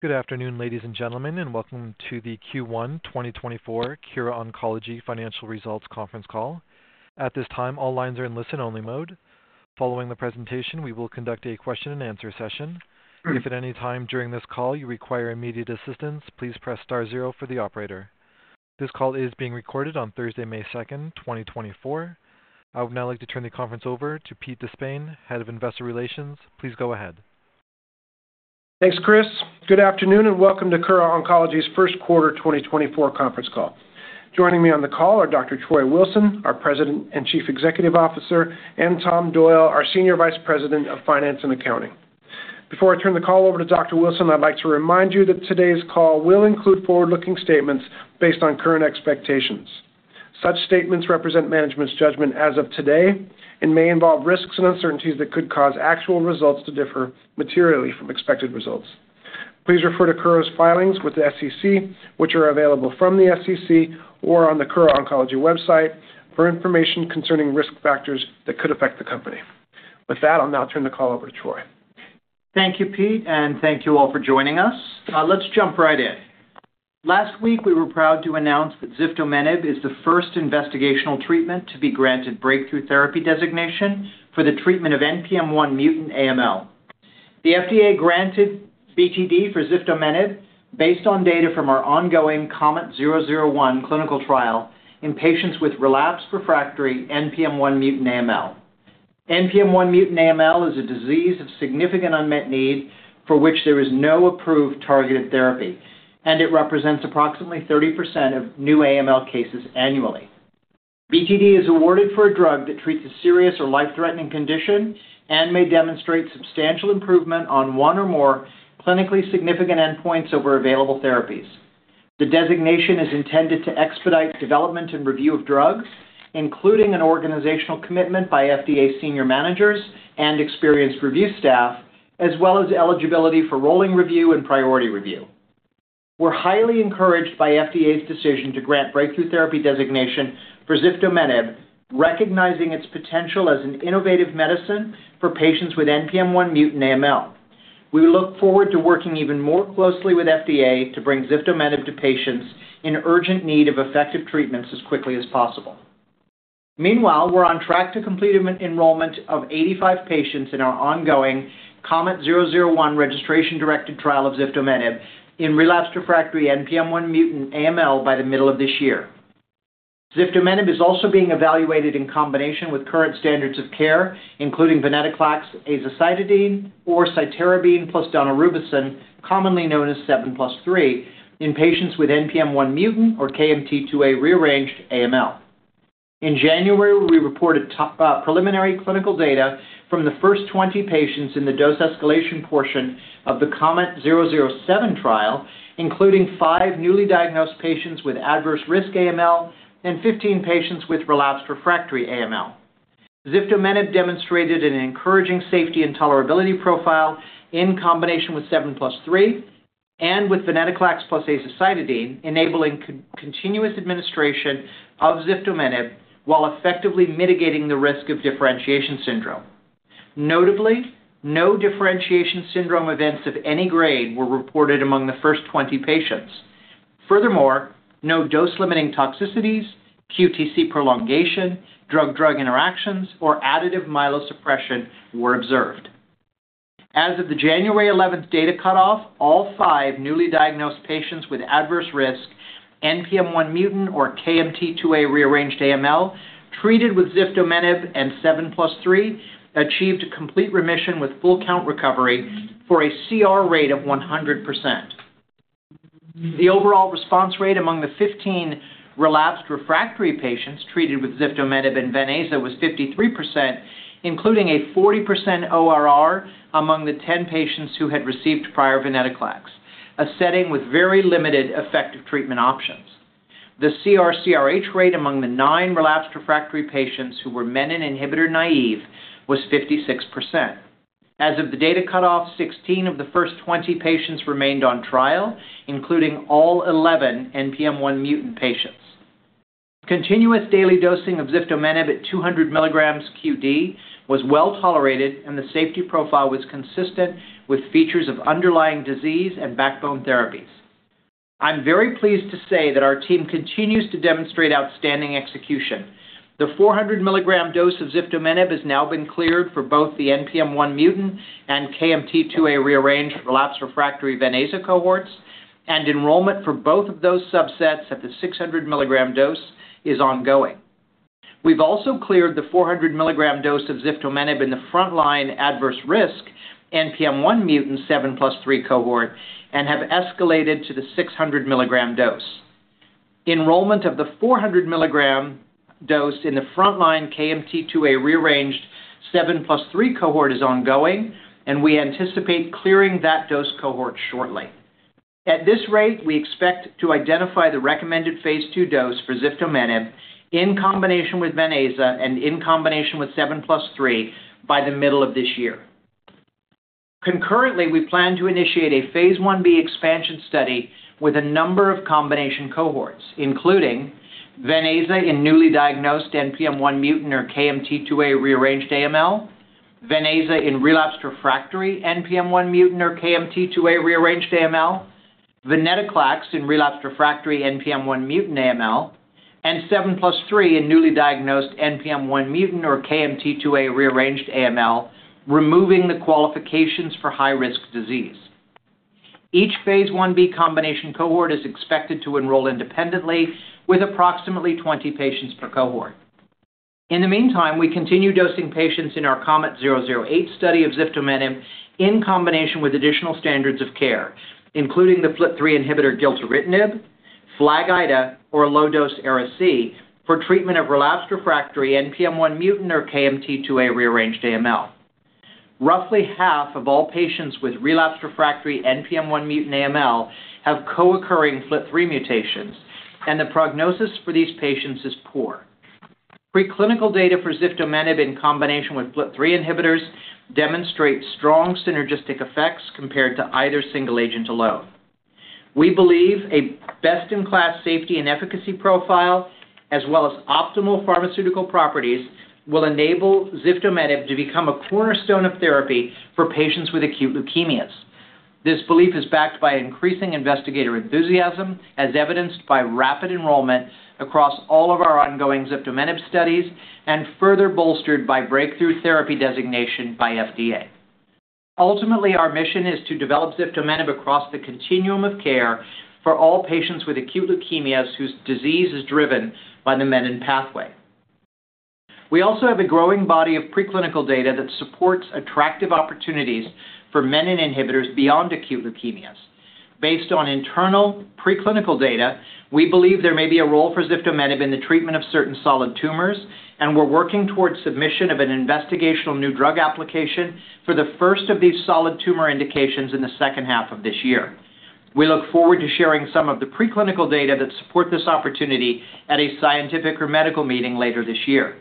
Good afternoon, ladies and gentlemen, and welcome to the Q1 2024 Kura Oncology Financial Results conference call. At this time, all lines are in listen-only mode. Following the presentation, we will conduct a question-and-answer session. If at any time during this call you require immediate assistance, please press star zero for the operator. This call is being recorded on Thursday, May 2, 2024. I would now like to turn the conference over to Pete De Spain, Head of Investor Relations. Please go ahead. Thanks, Chris. Good afternoon, and welcome to Kura Oncology's first quarter 2024 conference call. Joining me on the call are Dr. Troy Wilson, our President and Chief Executive Officer, and Tom Doyle, our Senior Vice President of Finance and Accounting. Before I turn the call over to Dr. Wilson, I'd like to remind you that today's call will include forward-looking statements based on current expectations. Such statements represent management's judgment as of today and may involve risks and uncertainties that could cause actual results to differ materially from expected results. Please refer to Kura's filings with the SEC, which are available from the SEC or on the Kura Oncology website, for information concerning risk factors that could affect the company. With that, I'll now turn the call over to Troy. Thank you, Pete, and thank you all for joining us. Let's jump right in. Last week, we were proud to announce that ziftomenib is the first investigational treatment to be granted breakthrough therapy designation for the treatment of NPM1-mutant AML. The FDA granted BTD for ziftomenib based on data from our ongoing KOMET-001 clinical trial in patients with relapsed/refractory NPM1-mutant AML. NPM1-mutant AML is a disease of significant unmet need for which there is no approved targeted therapy, and it represents approximately 30% of new AML cases annually. BTD is awarded for a drug that treats a serious or life-threatening condition and may demonstrate substantial improvement on one or more clinically significant endpoints over available therapies. The designation is intended to expedite development and review of drugs, including an organizational commitment by FDA senior managers and experienced review staff, as well as eligibility for rolling review and priority review. We're highly encouraged by FDA's decision to grant breakthrough therapy designation for ziftomenib, recognizing its potential as an innovative medicine for patients with NPM1-mutant AML. We look forward to working even more closely with FDA to bring ziftomenib to patients in urgent need of effective treatments as quickly as possible. Meanwhile, we're on track to complete enrollment of 85 patients in our ongoing KOMET-001 registration-directed trial of ziftomenib in relapsed/refractory NPM1-mutant AML by the middle of this year. Ziftomenib is also being evaluated in combination with current standards of care, including venetoclax, azacitidine, or cytarabine plus daunorubicin, commonly known as 7+3, in patients with NPM1 mutant or KMT2A rearranged AML. In January, we reported top preliminary clinical data from the first 20 patients in the dose escalation portion of the KOMET-007 trial, including five newly diagnosed patients with adverse risk AML and 15 patients with relapsed refractory AML. Ziftomenib demonstrated an encouraging safety and tolerability profile in combination with 7+3 and with venetoclax plus azacitidine, enabling continuous administration of ziftomenib while effectively mitigating the risk of differentiation syndrome. Notably, no differentiation syndrome events of any grade were reported among the first 20 patients. Furthermore, no dose-limiting toxicities, QTc prolongation, drug-drug interactions, or additive myelosuppression were observed. As of the January eleventh data cutoff, all 5 newly diagnosed patients with adverse risk NPM1 mutant or KMT2A rearranged AML, treated with ziftomenib and 7+3, achieved complete remission with full count recovery for a CR rate of 100%. The overall response rate among the 15 relapsed refractory patients treated with ziftomenib and venetoclax was 53%, including a 40% ORR among the 10 patients who had received prior venetoclax, a setting with very limited effective treatment options. The CR/CRh rate among the 9 relapsed refractory patients who were menin inhibitor naive was 56%. As of the data cutoff, 16 of the first 20 patients remained on trial, including all 11 NPM1 mutant patients. Continuous daily dosing of ziftomenib at 200 mg QD was well tolerated, and the safety profile was consistent with features of underlying disease and backbone therapies. I'm very pleased to say that our team continues to demonstrate outstanding execution. The 400-milligram dose of ziftomenib has now been cleared for both the NPM1-mutant and KMT2A-rearranged relapsed/refractory venetoclax cohorts, and enrollment for both of those subsets at the 600-milligram dose is ongoing. We've also cleared the 400-milligram dose of ziftomenib in the frontline adverse-risk NPM1-mutant 7+3 cohort and have escalated to the 600-milligram dose. Enrollment of the 400-milligram dose in the frontline KMT2A-rearranged 7+3 cohort is ongoing, and we anticipate clearing that dose cohort shortly. At this rate, we expect to identify the recommended phase 2 dose for ziftomenib in combination with venetoclax and in combination with 7+3 by the middle of this year. Concurrently, we plan to initiate a phase 1b expansion study with a number of combination cohorts, including venetoclax in newly diagnosed NPM1-mutant or KMT2A-rearranged AML. Venetoclax in relapsed/refractory NPM1-mutant or KMT2A-rearranged AML, venetoclax in relapsed/refractory NPM1-mutant AML, and 7+3 in newly diagnosed NPM1-mutant or KMT2A-rearranged AML, removing the qualifications for high-risk disease. Each phase 1b combination cohort is expected to enroll independently with approximately 20 patients per cohort. In the meantime, we continue dosing patients in our KOMET-008 study of ziftomenib in combination with additional standards of care, including the FLT3 inhibitor gilteritinib, FLAG-IDA, or low-dose Ara-C, for treatment of relapsed/refractory NPM1-mutant or KMT2A-rearranged AML. Roughly half of all patients with relapsed/refractory NPM1-mutant AML have co-occurring FLT3 mutations, and the prognosis for these patients is poor. Preclinical data for ziftomenib in combination with FLT3 inhibitors demonstrate strong synergistic effects compared to either single agent alone. We believe a best-in-class safety and efficacy profile, as well as optimal pharmaceutical properties, will enable ziftomenib to become a cornerstone of therapy for patients with acute leukemias. This belief is backed by increasing investigator enthusiasm, as evidenced by rapid enrollment across all of our ongoing ziftomenib studies and further bolstered by breakthrough therapy designation by FDA. Ultimately, our mission is to develop ziftomenib across the continuum of care for all patients with acute leukemias whose disease is driven by the menin pathway. We also have a growing body of preclinical data that supports attractive opportunities for menin inhibitors beyond acute leukemias. Based on internal preclinical data, we believe there may be a role for ziftomenib in the treatment of certain solid tumors, and we're working towards submission of an investigational new drug application for the first of these solid tumor indications in the second half of this year. We look forward to sharing some of the preclinical data that support this opportunity at a scientific or medical meeting later this year.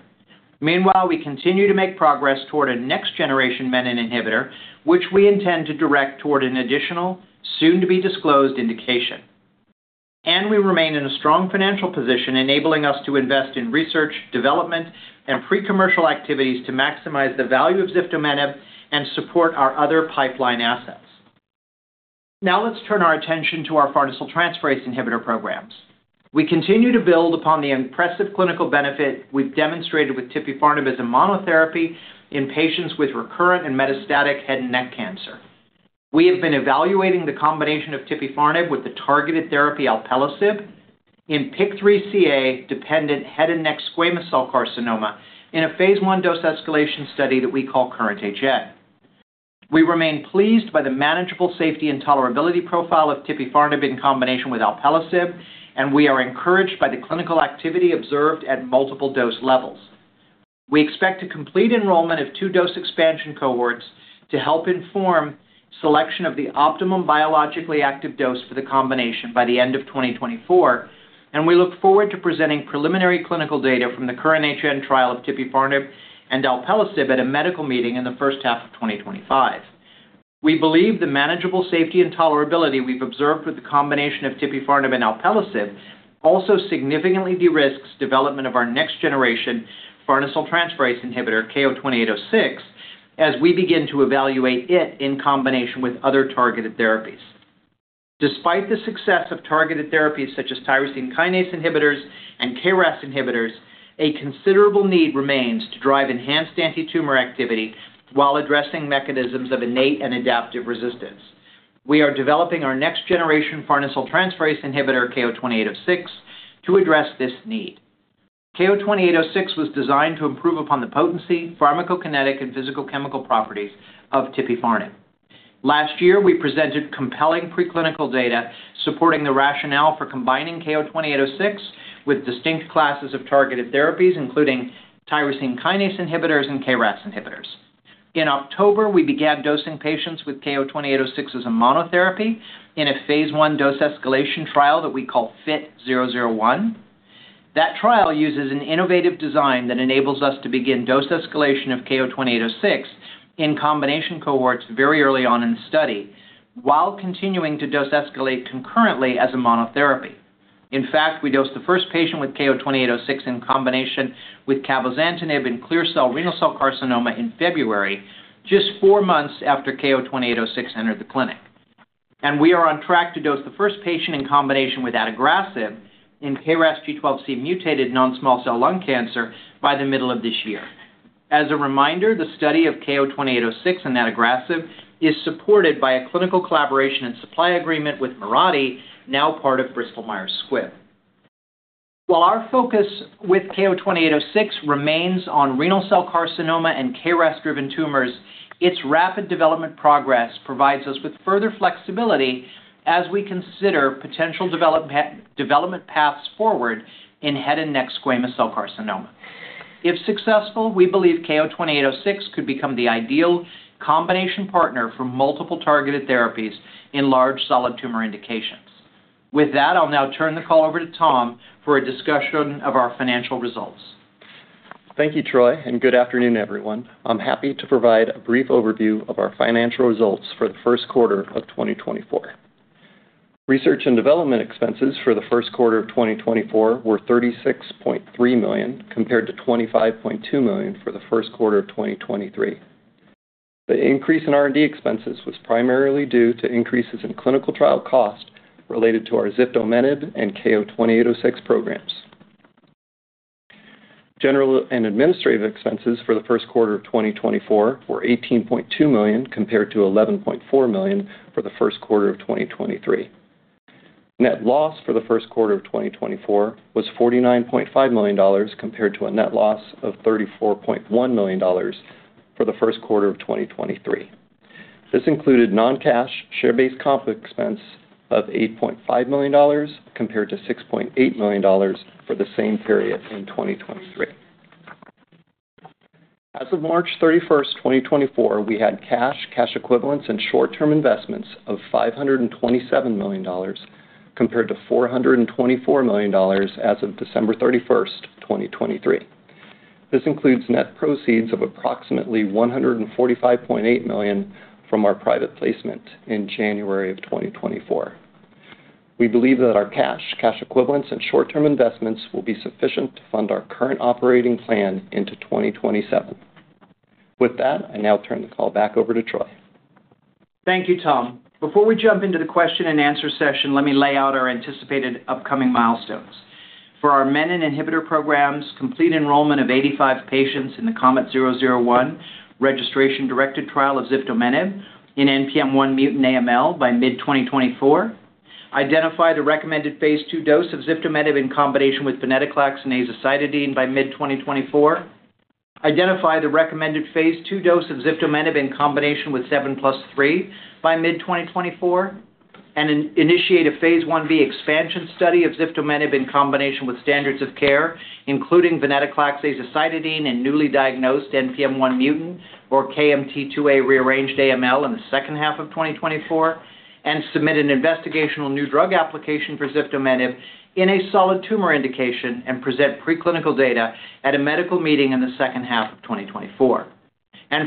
Meanwhile, we continue to make progress toward a next-generation menin inhibitor, which we intend to direct toward an additional, soon-to-be-disclosed indication. And we remain in a strong financial position, enabling us to invest in research, development, and pre-commercial activities to maximize the value of ziftomenib and support our other pipeline assets. Now let's turn our attention to our farnesyltransferase inhibitor programs. We continue to build upon the impressive clinical benefit we've demonstrated with tipifarnib as a monotherapy in patients with recurrent and metastatic head and neck cancer. We have been evaluating the combination of tipifarnib with the targeted therapy alpelisib in PIK3CA-dependent head and neck squamous cell carcinoma in a phase 1 dose-escalation study that we call KURRENT-HN. We remain pleased by the manageable safety and tolerability profile of tipifarnib in combination with alpelisib, and we are encouraged by the clinical activity observed at multiple dose levels. We expect to complete enrollment of two dose expansion cohorts to help inform selection of the optimum biologically active dose for the combination by the end of 2024, and we look forward to presenting preliminary clinical data from the KURRENT-HN trial of tipifarnib and alpelisib at a medical meeting in the first half of 2025. We believe the manageable safety and tolerability we've observed with the combination of tipifarnib and alpelisib also significantly de-risks development of our next generation farnesyltransferase inhibitor, KO-2806, as we begin to evaluate it in combination with other targeted therapies. Despite the success of targeted therapies such as tyrosine kinase inhibitors and KRAS inhibitors, a considerable need remains to drive enhanced antitumor activity while addressing mechanisms of innate and adaptive resistance. We are developing our next generation farnesyltransferase inhibitor, KO-2806, to address this need. KO-2806 was designed to improve upon the potency, pharmacokinetic, and physicochemical properties of tipifarnib. Last year, we presented compelling preclinical data supporting the rationale for combining KO-2806 with distinct classes of targeted therapies, including tyrosine kinase inhibitors and KRAS inhibitors. In October, we began dosing patients with KO-2806 as a monotherapy in a phase 1 dose escalation trial that we call FIT-001. That trial uses an innovative design that enables us to begin dose escalation of KO-2806 in combination cohorts very early on in the study, while continuing to dose escalate concurrently as a monotherapy. In fact, we dosed the first patient with KO-2806 in combination with cabozantinib in clear cell renal cell carcinoma in February, just 4 months after KO-2806 entered the clinic. We are on track to dose the first patient in combination with adagrasib in KRAS G12C mutated non-small cell lung cancer by the middle of this year. As a reminder, the study of KO-2806 and adagrasib is supported by a clinical collaboration and supply agreement with Mirati, now part of Bristol Myers Squibb. While our focus with KO-2806 remains on renal cell carcinoma and KRAS-driven tumors, its rapid development progress provides us with further flexibility as we consider potential development paths forward in head and neck squamous cell carcinoma. If successful, we believe KO-2806 could become the ideal combination partner for multiple targeted therapies in large solid tumor indications. With that, I'll now turn the call over to Tom for a discussion of our financial results. Thank you, Troy, and good afternoon, everyone. I'm happy to provide a brief overview of our financial results for the first quarter of 2024. Research and development expenses for the first quarter of 2024 were $36.3 million, compared to $25.2 million for the first quarter of 2023. The increase in R&D expenses was primarily due to increases in clinical trial costs related to our ziftomenib and KO-2806 programs. General and administrative expenses for the first quarter of 2024 were $18.2 million, compared to $11.4 million for the first quarter of 2023. Net loss for the first quarter of 2024 was $49.5 million, compared to a net loss of $34.1 million for the first quarter of 2023. This included non-cash share-based comp expense of $8.5 million, compared to $6.8 million for the same period in 2023. As of March 31, 2024, we had cash, cash equivalents, and short-term investments of $527 million, compared to $424 million as of December 31, 2023. This includes net proceeds of approximately $145.8 million from our private placement in January 2024. We believe that our cash, cash equivalents, and short-term investments will be sufficient to fund our current operating plan into 2027. With that, I now turn the call back over to Troy. Thank you, Tom. Before we jump into the question-and-answer session, let me lay out our anticipated upcoming milestones. For our menin inhibitor programs, complete enrollment of 85 patients in the KOMET-001 registration-directed trial of ziftomenib in NPM1-mutant AML by mid-2024. Identify the recommended phase II dose of ziftomenib in combination with venetoclax and azacitidine by mid-2024. Identify the recommended phase II dose of ziftomenib in combination with 7+3 by mid-2024, and initiate a phase Ib expansion study of ziftomenib in combination with standards of care, including venetoclax, azacitidine in newly diagnosed NPM1-mutant or KMT2A-rearranged AML in the second half of 2024, and submit an investigational new drug application for ziftomenib in a solid tumor indication and present preclinical data at a medical meeting in the second half of 2024.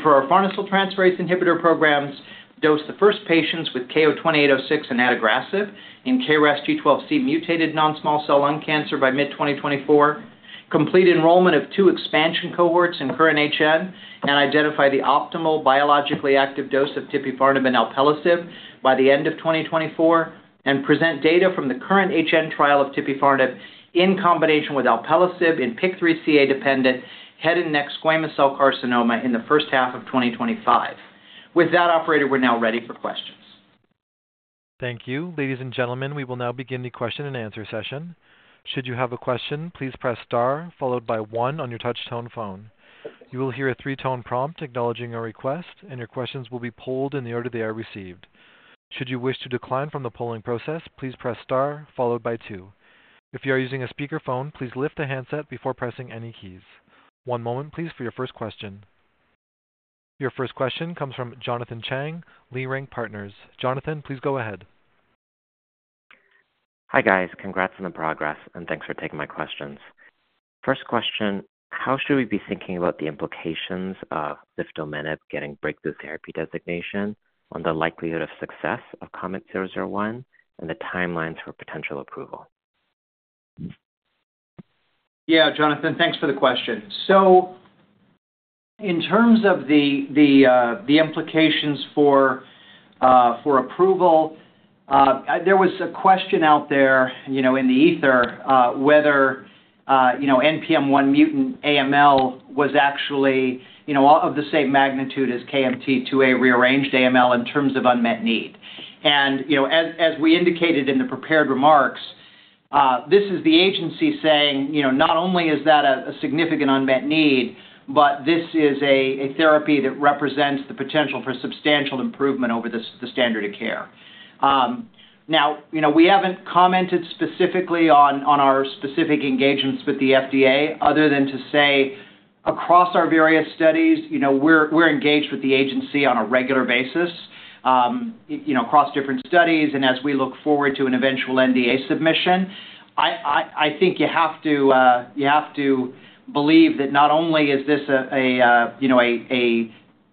For our farnesyltransferase inhibitor programs, dose the first patients with KO-2806 and adagrasib in KRAS G12C-mutated non-small cell lung cancer by mid-2024. Complete enrollment of two expansion cohorts in KURRENT-HN and identify the optimal biologically active dose of tipifarnib and alpelisib by the end of 2024, and present data from the KURRENT-HN trial of tipifarnib in combination with alpelisib in PIK3CA-dependent head and neck squamous cell carcinoma in the first half of 2025. With that, operator, we're now ready for questions. Thank you. Ladies and gentlemen, we will now begin the question-and-answer session. Should you have a question, please press star followed by one on your touchtone phone. You will hear a three-tone prompt acknowledging your request, and your questions will be polled in the order they are received. Should you wish to decline from the polling process, please press star followed by two. If you are using a speakerphone, please lift the handset before pressing any keys. One moment, please, for your first question. Your first question comes from Jonathan Chang, Leerink Partners. Jonathan, please go ahead. Hi, guys. Congrats on the progress, and thanks for taking my questions. First question, how should we be thinking about the implications of Ziftomenib getting breakthrough therapy designation on the likelihood of success of KOMET-001 and the timelines for potential approval? Yeah, Jonathan, thanks for the question. So in terms of the implications for approval, there was a question out there, you know, in the ether, whether, you know, NPM1 mutant AML was actually, you know, of the same magnitude as KMT2A rearranged AML in terms of unmet need. And, you know, as we indicated in the prepared remarks, this is the agency saying, you know, not only is that a significant unmet need, but this is a therapy that represents the potential for substantial improvement over the standard of care. Now, you know, we haven't commented specifically on our specific engagements with the FDA other than to say, across our various studies, you know, we're engaged with the agency on a regular basis, you know, across different studies, and as we look forward to an eventual NDA submission. I think you have to believe that not only is this a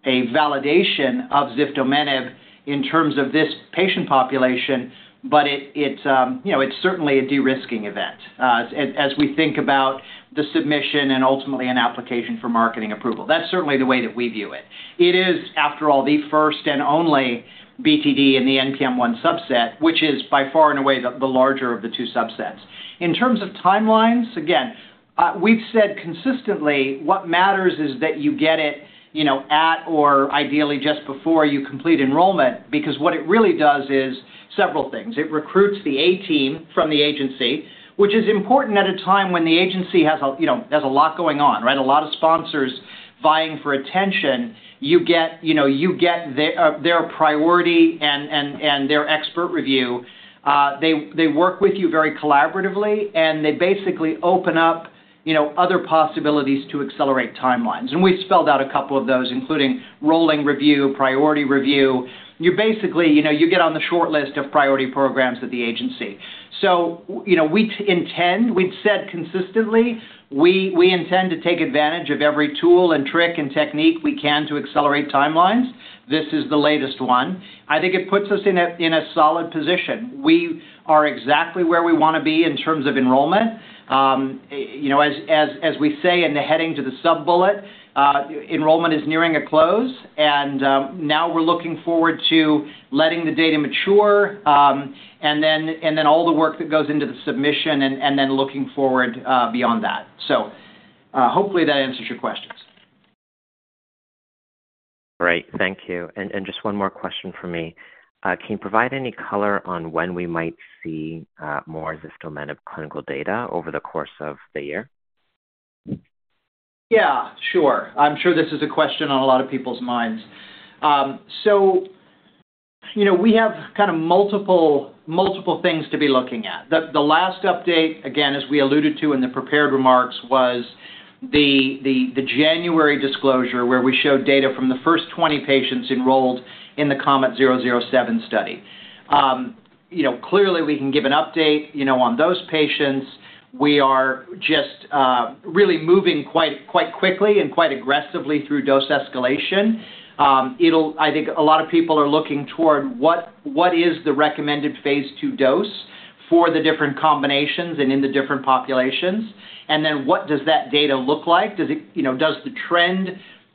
validation of Ziftomenib in terms of this patient population, but it's, you know, it's certainly a de-risking event, as we think about the submission and ultimately an application for marketing approval. That's certainly the way that we view it. It is, after all, the first and only BTD in the NPM1 subset, which is by far and away the larger of the two subsets. In terms of timelines, again, we've said consistently, what matters is that you get it, you know, at or ideally just before you complete enrollment, because what it really does is several things. It recruits the A team from the agency, which is important at a time when the agency has a, you know, has a lot going on, right? A lot of sponsors vying for attention. You get, you know, you get their, their priority and, and, and their expert review. They, they work with you very collaboratively, and they basically open up, you know, other possibilities to accelerate timelines. And we've spelled out a couple of those, including rolling review, priority review. You basically, you know, you get on the shortlist of priority programs at the agency. So, you know, we intend—we've said consistently, we intend to take advantage of every tool and trick and technique we can to accelerate timelines. This is the latest one. I think it puts us in a solid position. We are exactly where we wanna be in terms of enrollment. You know, as we say in the heading to the sub-bullet, enrollment is nearing a close, and now we're looking forward to letting the data mature, and then all the work that goes into the submission, and then looking forward beyond that. So, hopefully, that answers your questions. Great, thank you. And just one more question for me. Can you provide any color on when we might see more ziftomenib clinical data over the course of the year? Yeah, sure. I'm sure this is a question on a lot of people's minds. So, you know, we have kinda multiple things to be looking at. The last update, again, as we alluded to in the prepared remarks, was the January disclosure, where we showed data from the first 20 patients enrolled in the KOMET-007 study. You know, clearly, we can give an update, you know, on those patients. We are just really moving quite quickly and quite aggressively through dose escalation. It'll—I think a lot of people are looking toward what is the recommended phase 2 dose for the different combinations and in the different populations? And then, what does that data look like? Does it, you know, does the trend...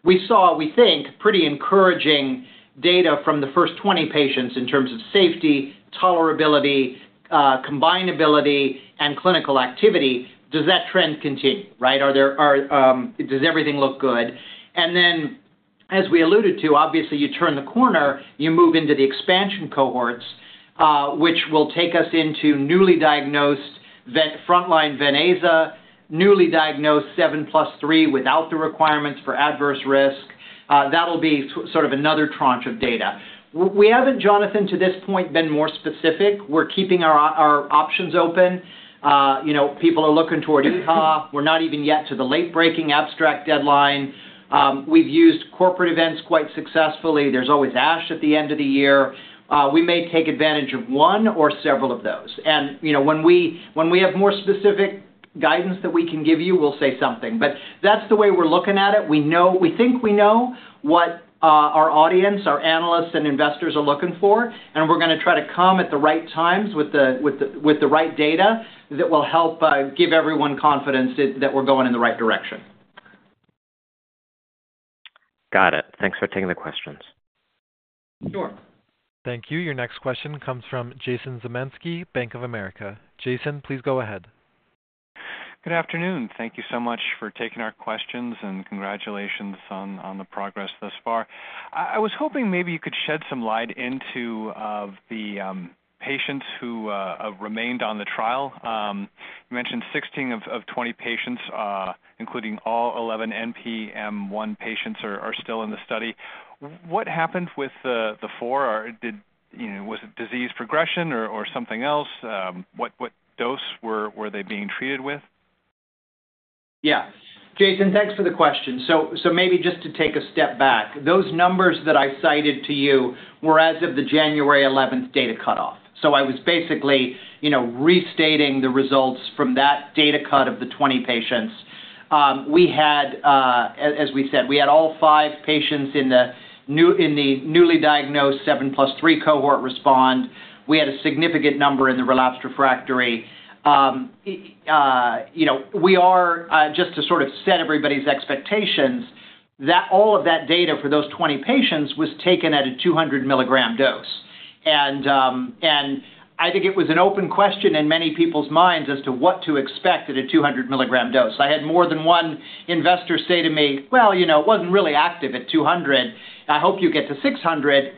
We saw, we think, pretty encouraging data from the first 20 patients in terms of safety, tolerability, combinability, and clinical activity. Does that trend continue, right? Are there, are, does everything look good? And then, as we alluded to, obviously, you turn the corner, you move into the expansion cohorts, which will take us into newly diagnosed frontline venetoclax, newly diagnosed 7+3 without the requirements for adverse risk. That'll be sort of another tranche of data. We haven't, Jonathan, to this point, been more specific. We're keeping our options open. You know, people are looking toward EHA. We're not even yet to the late-breaking abstract deadline. We've used corporate events quite successfully. There's always ASH at the end of the year. We may take advantage of one or several of those. You know, when we, when we have more specific guidance that we can give you, we'll say something. But that's the way we're looking at it. We know... We think we know what our audience, our analysts, and investors are looking for, and we're gonna try to come at the right times with the right data that will help give everyone confidence that we're going in the right direction. Got it. Thanks for taking the questions. Sure. Thank you. Your next question comes from Jason Zemansky, Bank of America. Jason, please go ahead. Good afternoon. Thank you so much for taking our questions, and congratulations on the progress thus far. I was hoping maybe you could shed some light into the patients who have remained on the trial. You mentioned 16 of 20 patients, including all 11 NPM1 patients, are still in the study. What happened with the four, or did... You know, was it disease progression or something else? What dose were they being treated with? Yeah. Jason, thanks for the question. So maybe just to take a step back, those numbers that I cited to you were as of the January 11 data cutoff. So I was basically, you know, restating the results from that data cut of the 20 patients. We had, as we said, we had all five patients in the newly diagnosed 7+3 cohort respond. We had a significant number in the relapsed refractory. You know, we are just to sort of set everybody's expectations, that all of that data for those 20 patients was taken at a 200 mg dose. And I think it was an open question in many people's minds as to what to expect at a 200 mg dose. I had more than one investor say to me, "Well, you know, it wasn't really active at 200. I hope you get to 600."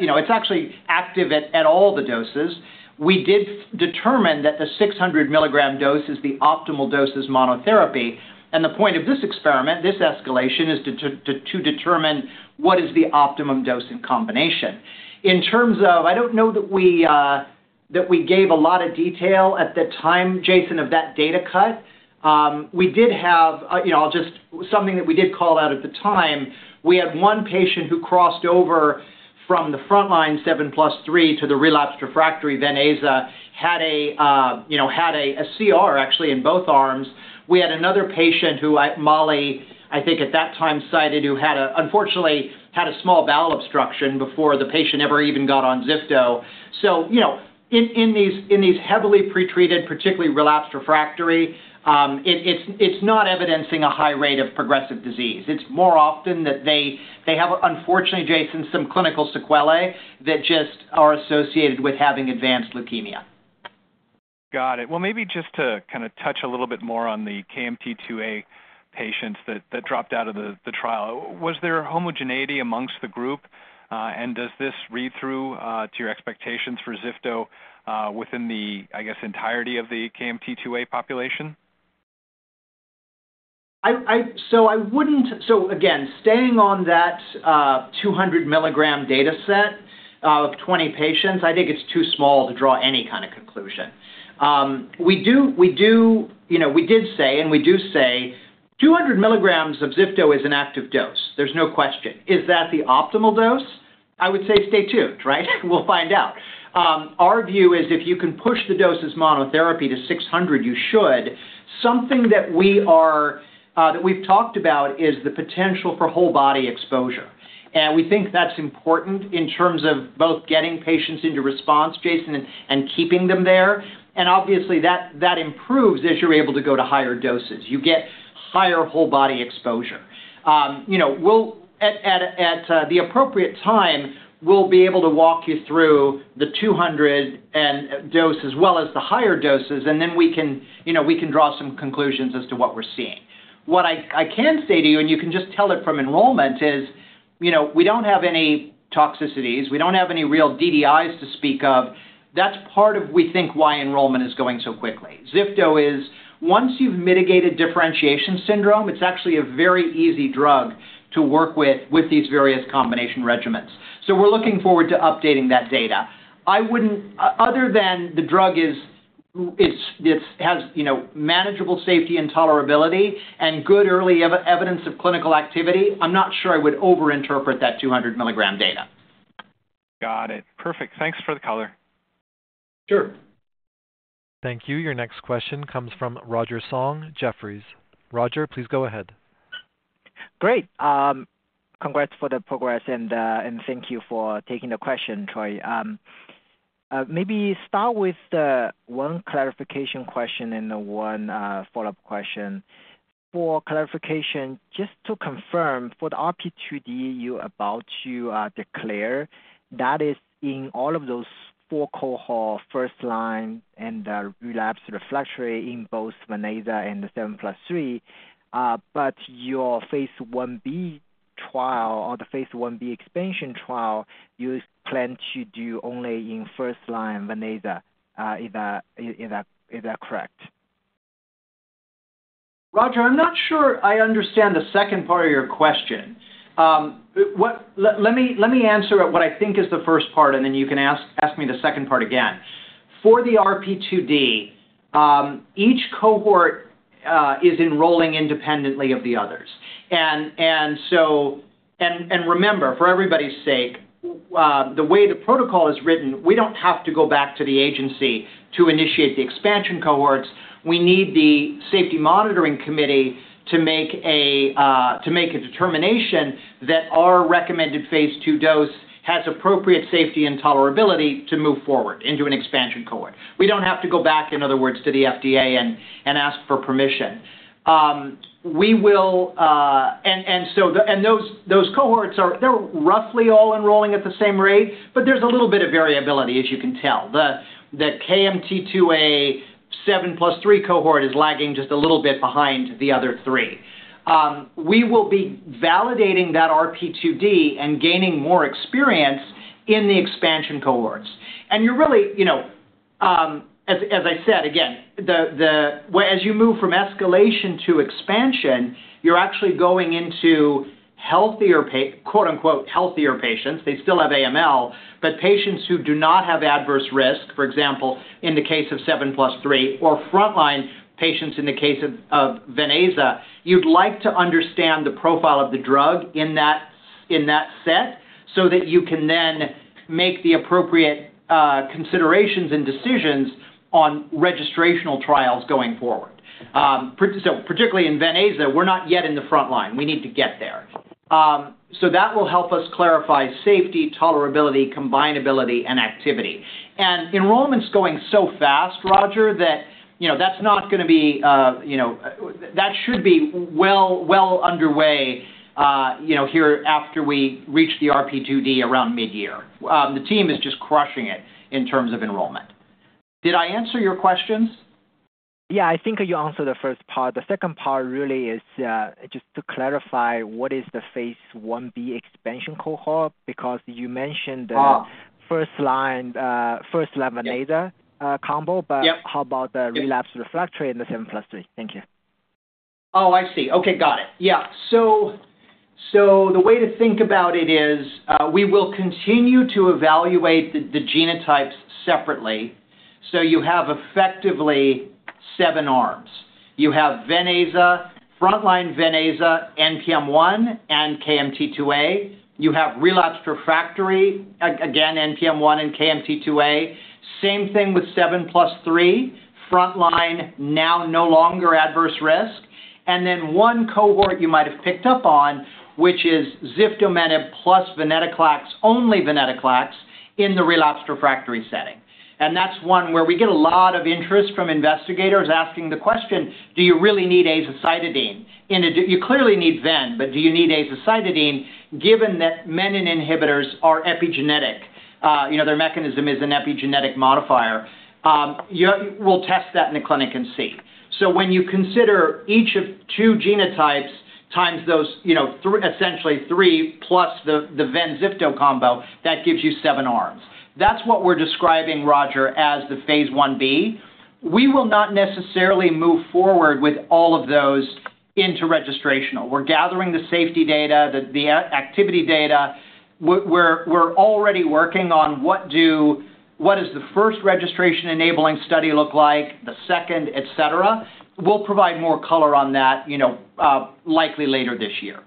You know, it's actually active at all the doses. We did determine that the 600 mg dose is the optimal dose as monotherapy. And the point of this experiment, this escalation, is to determine what is the optimum dose in combination. In terms of... I don't know that we gave a lot of detail at the time, Jason, of that data cut. We did have, you know, I'll just... Something that we did call out at the time, we had one patient who crossed over from the frontline 7+3 to the relapsed refractory venetoclax, had a CR, actually, in both arms. We had another patient who, Mollie, I think at that time, cited, who had unfortunately had a small bowel obstruction before the patient ever even got on ziftomenib. So, you know, in these heavily pretreated, particularly relapsed refractory, it's not evidencing a high rate of progressive disease. It's more often that they have, unfortunately, Jason, some clinical sequelae that just are associated with having advanced leukemia. Got it. Well, maybe just to kinda touch a little bit more on the KMT2A patients that dropped out of the trial. Was there homogeneity among the group, and does this read through to your expectations for ziftomenib within the, I guess, entirety of the KMT2A population? So I wouldn't. So again, staying on that, 200 milligram data set of 20 patients, I think it's too small to draw any kind of conclusion. We do, we do, you know, we did say and we do say, 200 milligrams of ziftomenib is an active dose. There's no question. Is that the optimal dose? I would say stay tuned, right? We'll find out. Our view is if you can push the dose as monotherapy to 600, you should. Something that we are, that we've talked about is the potential for whole body exposure. And we think that's important in terms of both getting patients into response, Jason, and keeping them there. And obviously, that improves as you're able to go to higher doses. You get higher whole body exposure. You know, we'll, at the appropriate time, be able to walk you through the 200-mg dose as well as the higher doses, and then we can, you know, we can draw some conclusions as to what we're seeing. What I can say to you, and you can just tell it from enrollment, is, you know, we don't have any toxicities. We don't have any real DDIs to speak of. That's part of, we think, why enrollment is going so quickly. Ziftomenib is, once you've mitigated differentiation syndrome, it's actually a very easy drug to work with, with these various combination regimens. So we're looking forward to updating that data. I wouldn't, other than the drug is, it has, you know, manageable safety and tolerability and good early evidence of clinical activity. I'm not sure I would overinterpret that 200 milligram data. Got it. Perfect. Thanks for the color. Sure. Thank you. Your next question comes from Roger Song, Jefferies. Roger, please go ahead. Great. Congrats for the progress, and thank you for taking the question, Troy. Maybe start with one clarification question and one follow-up question. For clarification, just to confirm, for the RP2D you about to declare, that is in all of those four cohort first line and relapsed refractory in both venetoclax and the 7+3, but your phase 1b trial or the phase 1b expansion trial, you plan to do only in first line venetoclax, is that correct? Roger, I'm not sure I understand the second part of your question. Let me answer what I think is the first part, and then you can ask me the second part again. For the RP2D, each cohort is enrolling independently of the others. Remember, for everybody's sake, the way the protocol is written, we don't have to go back to the agency to initiate the expansion cohorts. We need the safety monitoring committee to make a determination that our recommended Phase 2 dose has appropriate safety and tolerability to move forward into an expansion cohort. We don't have to go back, in other words, to the FDA and ask for permission. We will... So those cohorts are. They're roughly all enrolling at the same rate, but there's a little bit of variability, as you can tell. The KMT2A 7+3 cohort is lagging just a little bit behind the other 3. We will be validating that RP2D and gaining more experience in the expansion cohorts. You're really, you know, as I said, well, as you move from escalation to expansion, you're actually going into healthier – quote, unquote, "healthier patients." They still have AML, but patients who do not have adverse risk, for example, in the case of 7+3, or frontline patients in the case of venetoclax, you'd like to understand the profile of the drug in that set, so that you can then make the appropriate considerations and decisions on registrational trials going forward. So particularly in venetoclax, we're not yet in the frontline. We need to get there. So that will help us clarify safety, tolerability, combinability, and activity. Enrollment's going so fast, Roger, that, you know, that's not gonna be, you know, that should be well underway, you know, here after we reach the RP2D around midyear. The team is just crushing it in terms of enrollment. Did I answer your questions? Yeah, I think you answered the first part. The second part really is just to clarify, what is the phase 1b expansion cohort? Because you mentioned the- Ah. First line, first line Venetia- Yep. combo. Yep. How about the relapsed refractory and the 7+3? Thank you. Oh, I see. Okay, got it. Yeah. So, so the way to think about it is, we will continue to evaluate the, the genotypes separately. So you have effectively 7 arms. You have venetoclax, frontline venetoclax, NPM1, and KMT2A. You have relapsed refractory, again, NPM1 and KMT2A. Same thing with 7+3, frontline, now no longer adverse risk. And then one cohort you might have picked up on, which is ziftomenib plus venetoclax, only venetoclax in the relapsed refractory setting. And that's one where we get a lot of interest from investigators asking the question, "Do you really need azacitidine?" And you clearly need ven, but do you need azacitidine, given that menin inhibitors are epigenetic, you know, their mechanism is an epigenetic modifier? We'll test that in the clinic and see. So when you consider each of two genotypes, times those, you know, three, essentially three plus the venetoclax ziftomenib combo, that gives you seven arms. That's what we're describing, Roger, as the phase 1b. We will not necessarily move forward with all of those into registrational. We're gathering the safety data, the activity data. We're already working on what does the first registration enabling study look like, the second, et cetera. We'll provide more color on that, you know, likely later this year. ...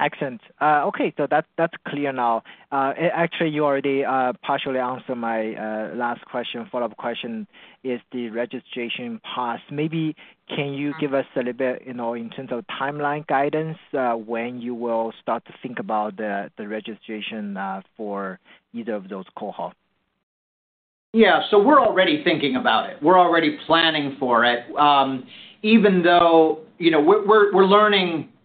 Excellent. Okay, so that's, that's clear now. Actually, you already partially answered my last question, follow-up question, is the registration passed? Maybe can you give us a little bit, you know, in terms of timeline guidance, when you will start to think about the, the registration, for either of those cohorts? Yeah. So we're already thinking about it. We're already planning for it. Even though, you know, we're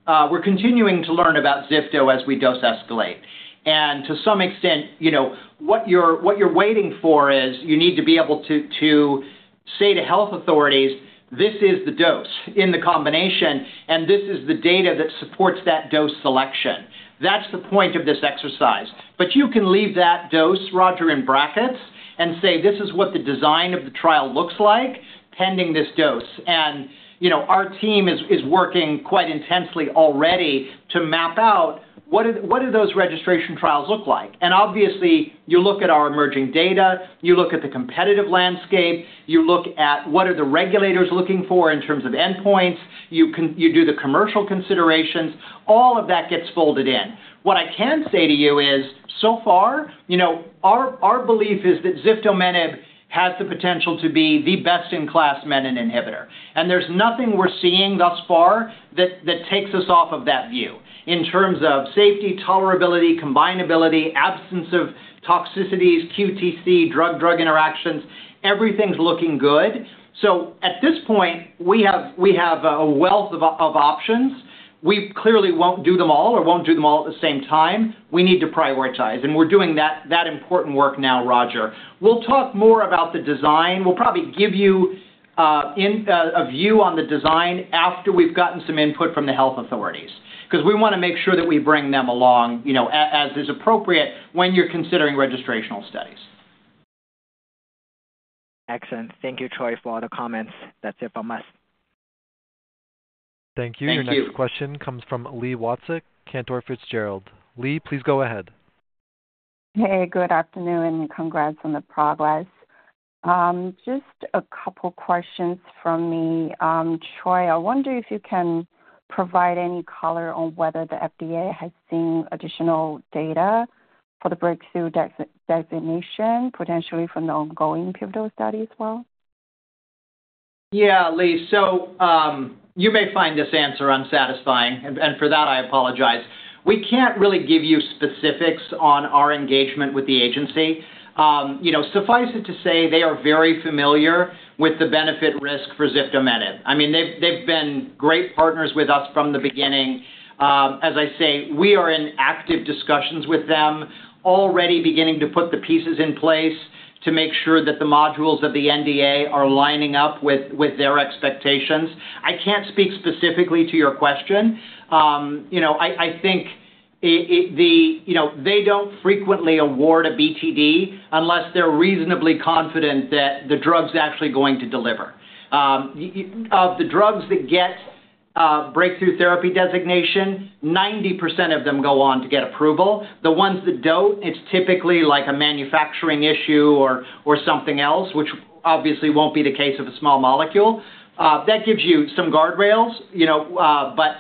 learning—we're continuing to learn about ziftomenib as we dose escalate. And to some extent, you know, what you're waiting for is, you need to be able to say to health authorities, "This is the dose in the combination, and this is the data that supports that dose selection." That's the point of this exercise. But you can leave that dose, Roger, in brackets and say, "This is what the design of the trial looks like, pending this dose." And, you know, our team is working quite intensely already to map out what do those registration trials look like? And obviously, you look at our emerging data, you look at the competitive landscape, you look at what are the regulators looking for in terms of endpoints, you do the commercial considerations. All of that gets folded in. What I can say to you is, so far, you know, our belief is that ziftomenib has the potential to be the best-in-class menin inhibitor, and there's nothing we're seeing thus far that takes us off of that view. In terms of safety, tolerability, combinability, absence of toxicities, QTc, drug-drug interactions, everything's looking good. So at this point, we have a wealth of options. We clearly won't do them all or won't do them all at the same time. We need to prioritize, and we're doing that important work now, Roger. We'll talk more about the design. We'll probably give you a view on the design after we've gotten some input from the health authorities, 'cause we wanna make sure that we bring them along, you know, as is appropriate, when you're considering registrational studies. Excellent. Thank you, Troy, for all the comments. That's it from us. Thank you. Thank you. Your next question comes from Li Watsek, Cantor Fitzgerald. Lee, please go ahead. Hey, good afternoon, and congrats on the progress. Just a couple questions from me. Troy, I wonder if you can provide any color on whether the FDA has seen additional data for the breakthrough designation, potentially from the ongoing pivotal study as well? Yeah, Lee. So, you may find this answer unsatisfying, and for that, I apologize. We can't really give you specifics on our engagement with the agency. You know, suffice it to say, they are very familiar with the benefit risk for ziftomenib. I mean, they've been great partners with us from the beginning. As I say, we are in active discussions with them, already beginning to put the pieces in place to make sure that the modules of the NDA are lining up with their expectations. I can't speak specifically to your question. You know, I think it. You know, they don't frequently award a BTD unless they're reasonably confident that the drug's actually going to deliver. Of the drugs that get breakthrough therapy designation, 90% of them go on to get approval. The ones that don't, it's typically, like, a manufacturing issue or something else, which obviously won't be the case of a small molecule. That gives you some guardrails, you know, but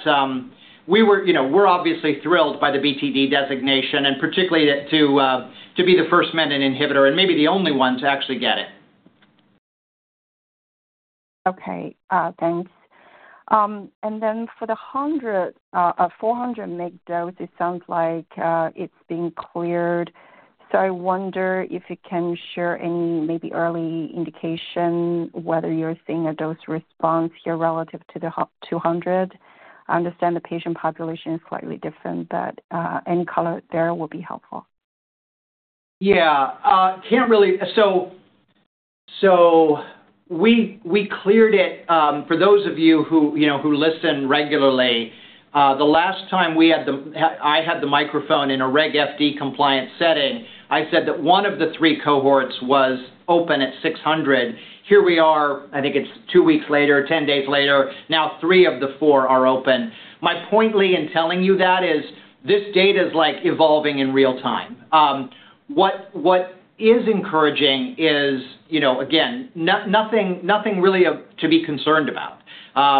we were, you know, we're obviously thrilled by the BTD designation, and particularly to be the first menin inhibitor and maybe the only one to actually get it. Okay, thanks. And then for the 100 400 mg dose, it sounds like it's been cleared. So I wonder if you can share any maybe early indication whether you're seeing a dose response here relative to the 200. I understand the patient population is slightly different, but any color there will be helpful. So, we cleared it. For those of you who, you know, who listen regularly, the last time we had the, I had the microphone in a Reg FD compliance setting, I said that one of the three cohorts was open at 600. Here we are, I think it's two weeks later, 10 days later, now three of the four are open. My point, Lee, in telling you that is this data is like evolving in real time. What is encouraging is, you know, again, nothing really of, to be concerned about,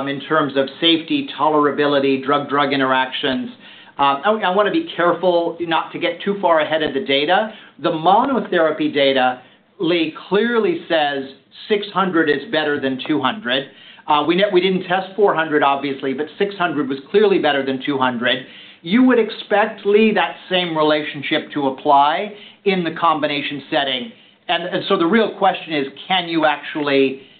in terms of safety, tolerability, drug-drug interactions. I wanna be careful not to get too far ahead of the data. The monotherapy data, Lee, clearly says 600 is better than 200. We didn't test 400, obviously, but 600 was clearly better than 200. You would expect, Lee, that same relationship to apply in the combination setting. And so the real question is, is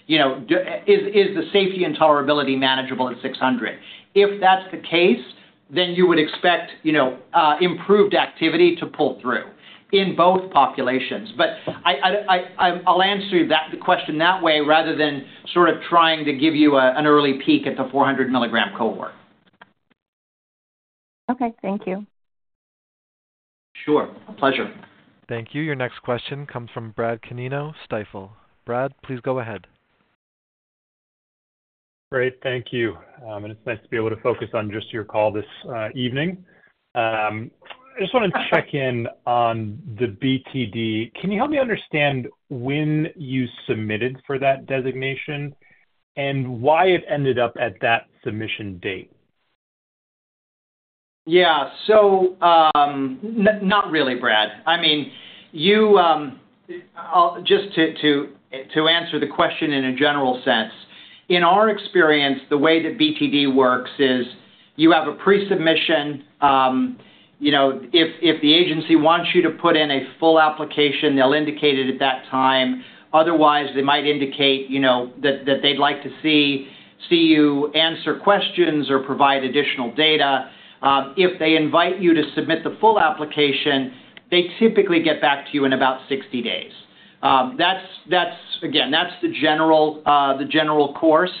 the safety and tolerability manageable at 600? If that's the case, then you would expect, you know, improved activity to pull through in both populations. But I'll answer you that, the question that way, rather than sort of trying to give you an early peek at the 400 milligram cohort. Okay, thank you. Sure. A pleasure. Thank you. Your next question comes from Brad Canino, Stifel. Brad, please go ahead. Great, thank you. It's nice to be able to focus on just your call this evening. I just want to check in on the BTD. Can you help me understand when you submitted for that designation and why it ended up at that submission date? Yeah. So, not really, Brad. I mean, you, just to answer the question in a general sense, in our experience, the way that BTD works is you have a pre-submission, you know, if the agency wants you to put in a full application, they'll indicate it at that time. Otherwise, they might indicate, you know, that they'd like to see you answer questions or provide additional data. If they invite you to submit the full application, they typically get back to you in about 60 days. That's again, that's the general course.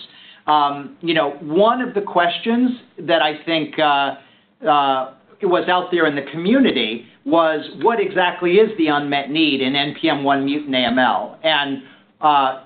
You know, one of the questions that I think was out there in the community was, what exactly is the unmet need in NPM1 mutant AML?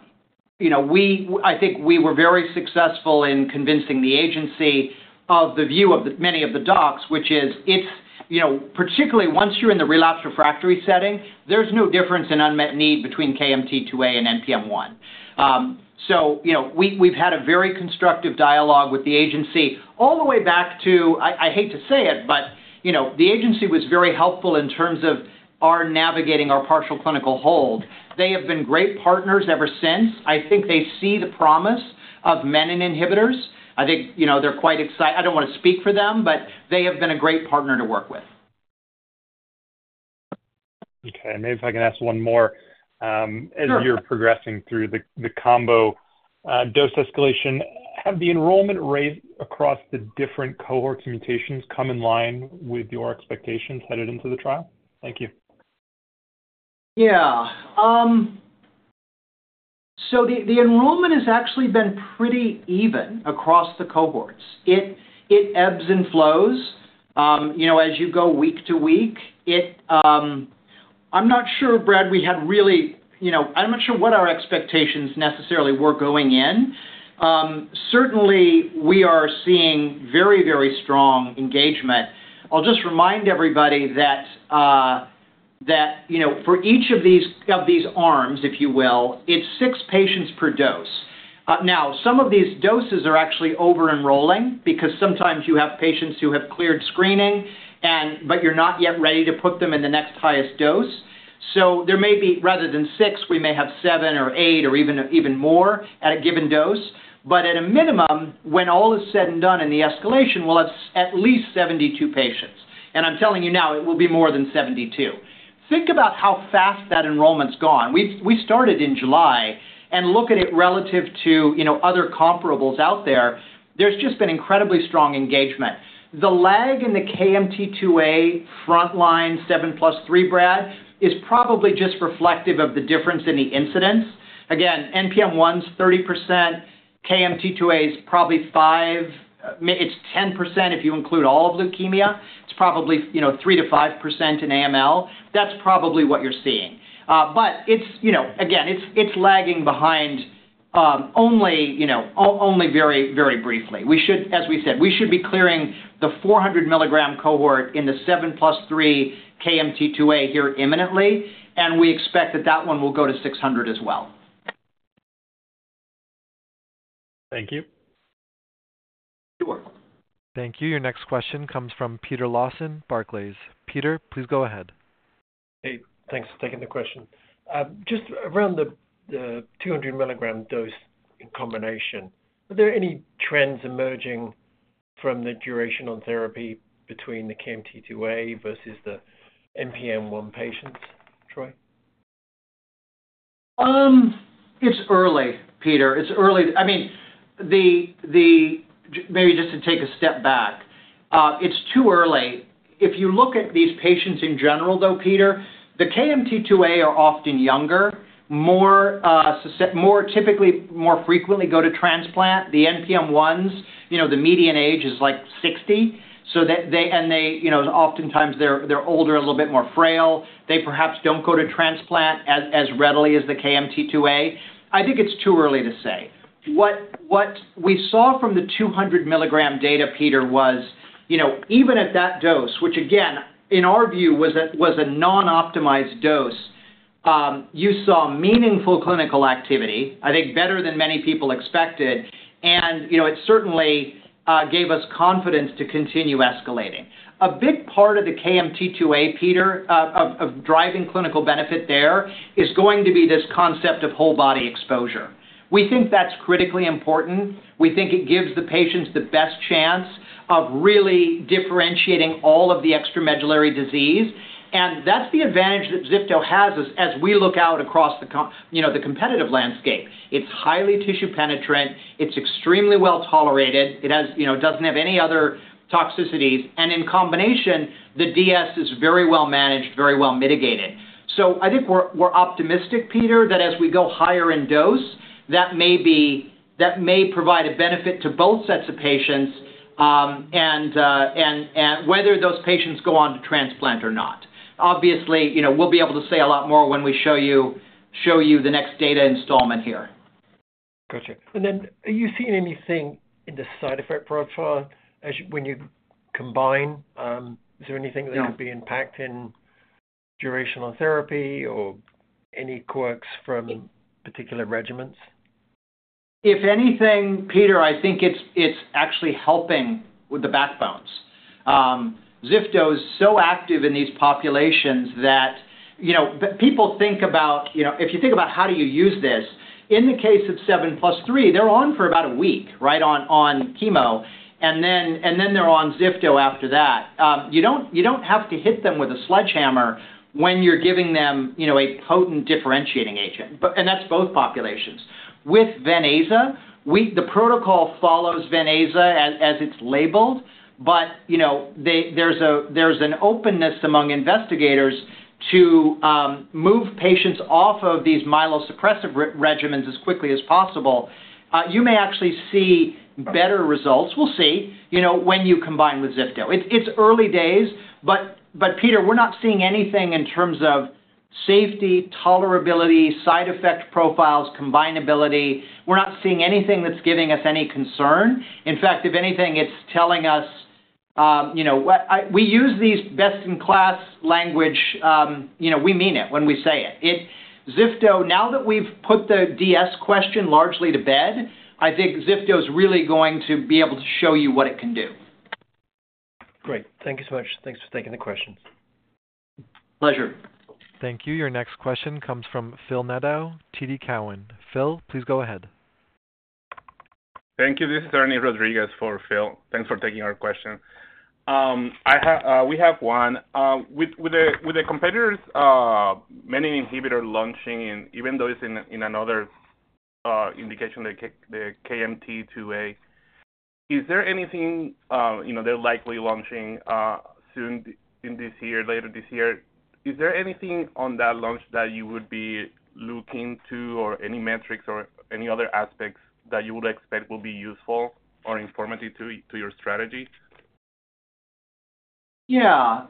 You know, I think we were very successful in convincing the agency of the view of many of the docs, which is it's, you know, particularly once you're in the relapsed refractory setting, there's no difference in unmet need between KMT2A and NPM1. So, you know, we've had a very constructive dialogue with the agency all the way back to I hate to say it, but, you know, the agency was very helpful in terms of our navigating our partial clinical hold. They have been great partners ever since. I think they see the promise of menin inhibitors. I think, you know, they're quite excited. I don't wanna speak for them, but they have been a great partner to work with. Okay. Maybe if I can ask one more, Sure. As you're progressing through the combo dose escalation, have the enrollment rate across the different cohorts mutations come in line with your expectations headed into the trial? Thank you. Yeah. So the enrollment has actually been pretty even across the cohorts. It ebbs and flows, you know, as you go week to week. I'm not sure, Brad, we had really... You know, I'm not sure what our expectations necessarily were going in. Certainly, we are seeing very, very strong engagement. I'll just remind everybody that, you know, for each of these arms, if you will, it's six patients per dose. Now, some of these doses are actually over-enrolling because sometimes you have patients who have cleared screening and, but you're not yet ready to put them in the next highest dose. So there may be, rather than six, we may have seven or eight or even more at a given dose. But at a minimum, when all is said and done in the escalation, we'll have at least 72 patients, and I'm telling you now, it will be more than 72. Think about how fast that enrollment's gone. We started in July, and look at it relative to, you know, other comparables out there. There's just been incredibly strong engagement. The lag in the KMT2A frontline 7+3, Brad, is probably just reflective of the difference in the incidence. Again, NPM1's 30%, KMT2A is probably five, it's 10% if you include all of leukemia. It's probably, you know, 3%-5% in AML. That's probably what you're seeing. But it's, you know, again, it's, it's lagging behind, only, you know, only very, very briefly. We should, as we said, we should be clearing the 400 milligram cohort in the 7+3 KMT2A here imminently, and we expect that that one will go to 600 as well. Thank you. Sure. Thank you. Your next question comes from Peter Lawson, Barclays. Peter, please go ahead. Hey, thanks for taking the question. Just around the 200 milligram dose in combination, are there any trends emerging from the duration on therapy between the KMT2A versus the NPM1 patients, Troy? It's early, Peter. It's early. I mean, maybe just to take a step back, it's too early. If you look at these patients in general, though, Peter, the KMT2A are often younger, more typically, more frequently go to transplant. The NPM1s, you know, the median age is, like, 60, so they, and they, you know, oftentimes they're older, a little bit more frail. They perhaps don't go to transplant as readily as the KMT2A. I think it's too early to say. What we saw from the 200 milligram data, Peter, was, you know, even at that dose, which again, in our view, was a non-optimized dose, you saw meaningful clinical activity, I think, better than many people expected. You know, it certainly gave us confidence to continue escalating. A big part of the KMT2A, Peter, of driving clinical benefit there, is going to be this concept of whole body exposure. We think that's critically important. We think it gives the patients the best chance of really differentiating all of the extramedullary disease, and that's the advantage that ziftomenib has as we look out across, you know, the competitive landscape. It's highly tissue penetrant, it's extremely well-tolerated, it has, you know, doesn't have any other toxicities, and in combination, the DS is very well managed, very well mitigated. So I think we're optimistic, Peter, that as we go higher in dose, that may provide a benefit to both sets of patients, and whether those patients go on to transplant or not. Obviously, you know, we'll be able to say a lot more when we show you, show you the next data installment here.... Gotcha. And then are you seeing anything in the side effect profile as you, when you combine, is there anything- No That would be impact in durational therapy or any quirks from particular regimens? If anything, Peter, I think it's actually helping with the backbones. Ziftomenib is so active in these populations that, you know, the people think about, you know, if you think about how do you use this, in the case of 7+3, they're on for about a week, right? On chemo, and then they're on ziftomenib after that. You don't have to hit them with a sledgehammer when you're giving them, you know, a potent differentiating agent, but... And that's both populations. With venetoclax, the protocol follows venetoclax as it's labeled, but, you know, there's an openness among investigators to move patients off of these myelosuppressive regimens as quickly as possible. You may actually see better results. We'll see, you know, when you combine with ziftomenib. It's early days, but Peter, we're not seeing anything in terms of safety, tolerability, side effect profiles, combinability. We're not seeing anything that's giving us any concern. In fact, if anything, it's telling us, you know, what, I... We use these best-in-class language, you know, we mean it when we say it. It- ziftomenib, now that we've put the DS question largely to bed, I think ziftomenib is really going to be able to show you what it can do. Great. Thank you so much. Thanks for taking the question. Pleasure. Thank you. Your next question comes from Phil Nadeau, TD Cowen. Phil, please go ahead. Thank you. This is Ernie Rodriguez for Phil. Thanks for taking our question. I have, we have one with the competitors' menin inhibitor launching, and even though it's in another indication, the KMT2A, is there anything, you know, they're likely launching soon in this year, later this year, is there anything on that launch that you would be looking to, or any metrics or any other aspects that you would expect will be useful or informative to your strategy? Yeah.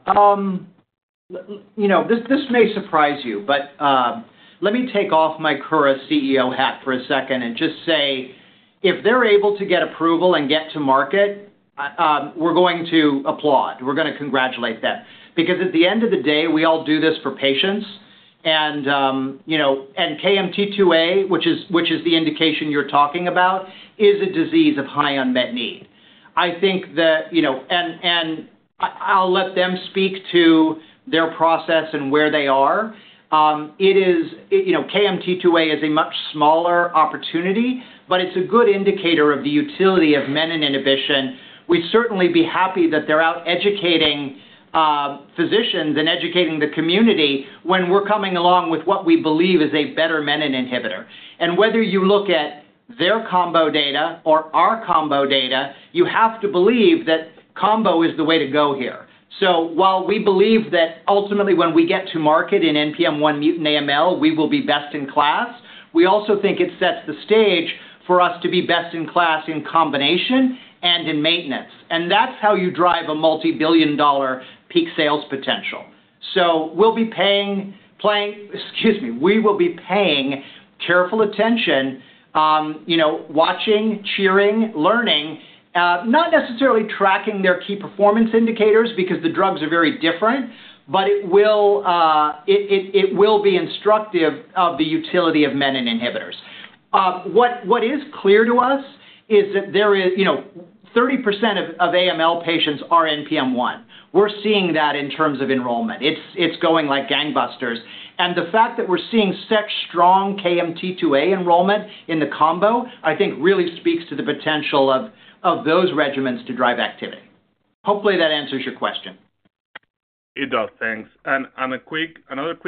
You know, this may surprise you, but, let me take off my Kura CEO hat for a second and just say, if they're able to get approval and get to market, we're going to applaud, we're gonna congratulate them. Because at the end of the day, we all do this for patients, and, you know, and KMT2A, which is, which is the indication you're talking about, is a disease of high unmet need. I think that, you know, and, and I, I'll let them speak to their process and where they are. It is, it, you know, KMT2A is a much smaller opportunity, but it's a good indicator of the utility of menin inhibition. We'd certainly be happy that they're out educating, physicians and educating the community when we're coming along with what we believe is a better menin inhibitor. And whether you look at their combo data or our combo data, you have to believe that combo is the way to go here. So while we believe that ultimately when we get to market in NPM1 mutant AML, we will be best in class, we also think it sets the stage for us to be best in class in combination and in maintenance, and that's how you drive a multi-billion dollar peak sales potential. So we'll be paying, playing, excuse me, we will be paying careful attention, you know, watching, cheering, learning, not necessarily tracking their key performance indicators because the drugs are very different, but it will be instructive of the utility of menin inhibitors. What is clear to us is that there is... You know, 30% of AML patients are NPM1. We're seeing that in terms of enrollment. It's going like gangbusters. And the fact that we're seeing such strong KMT2A enrollment in the combo, I think really speaks to the potential of those regimens to drive activity. Hopefully, that answers your question. It does, thanks. And another quick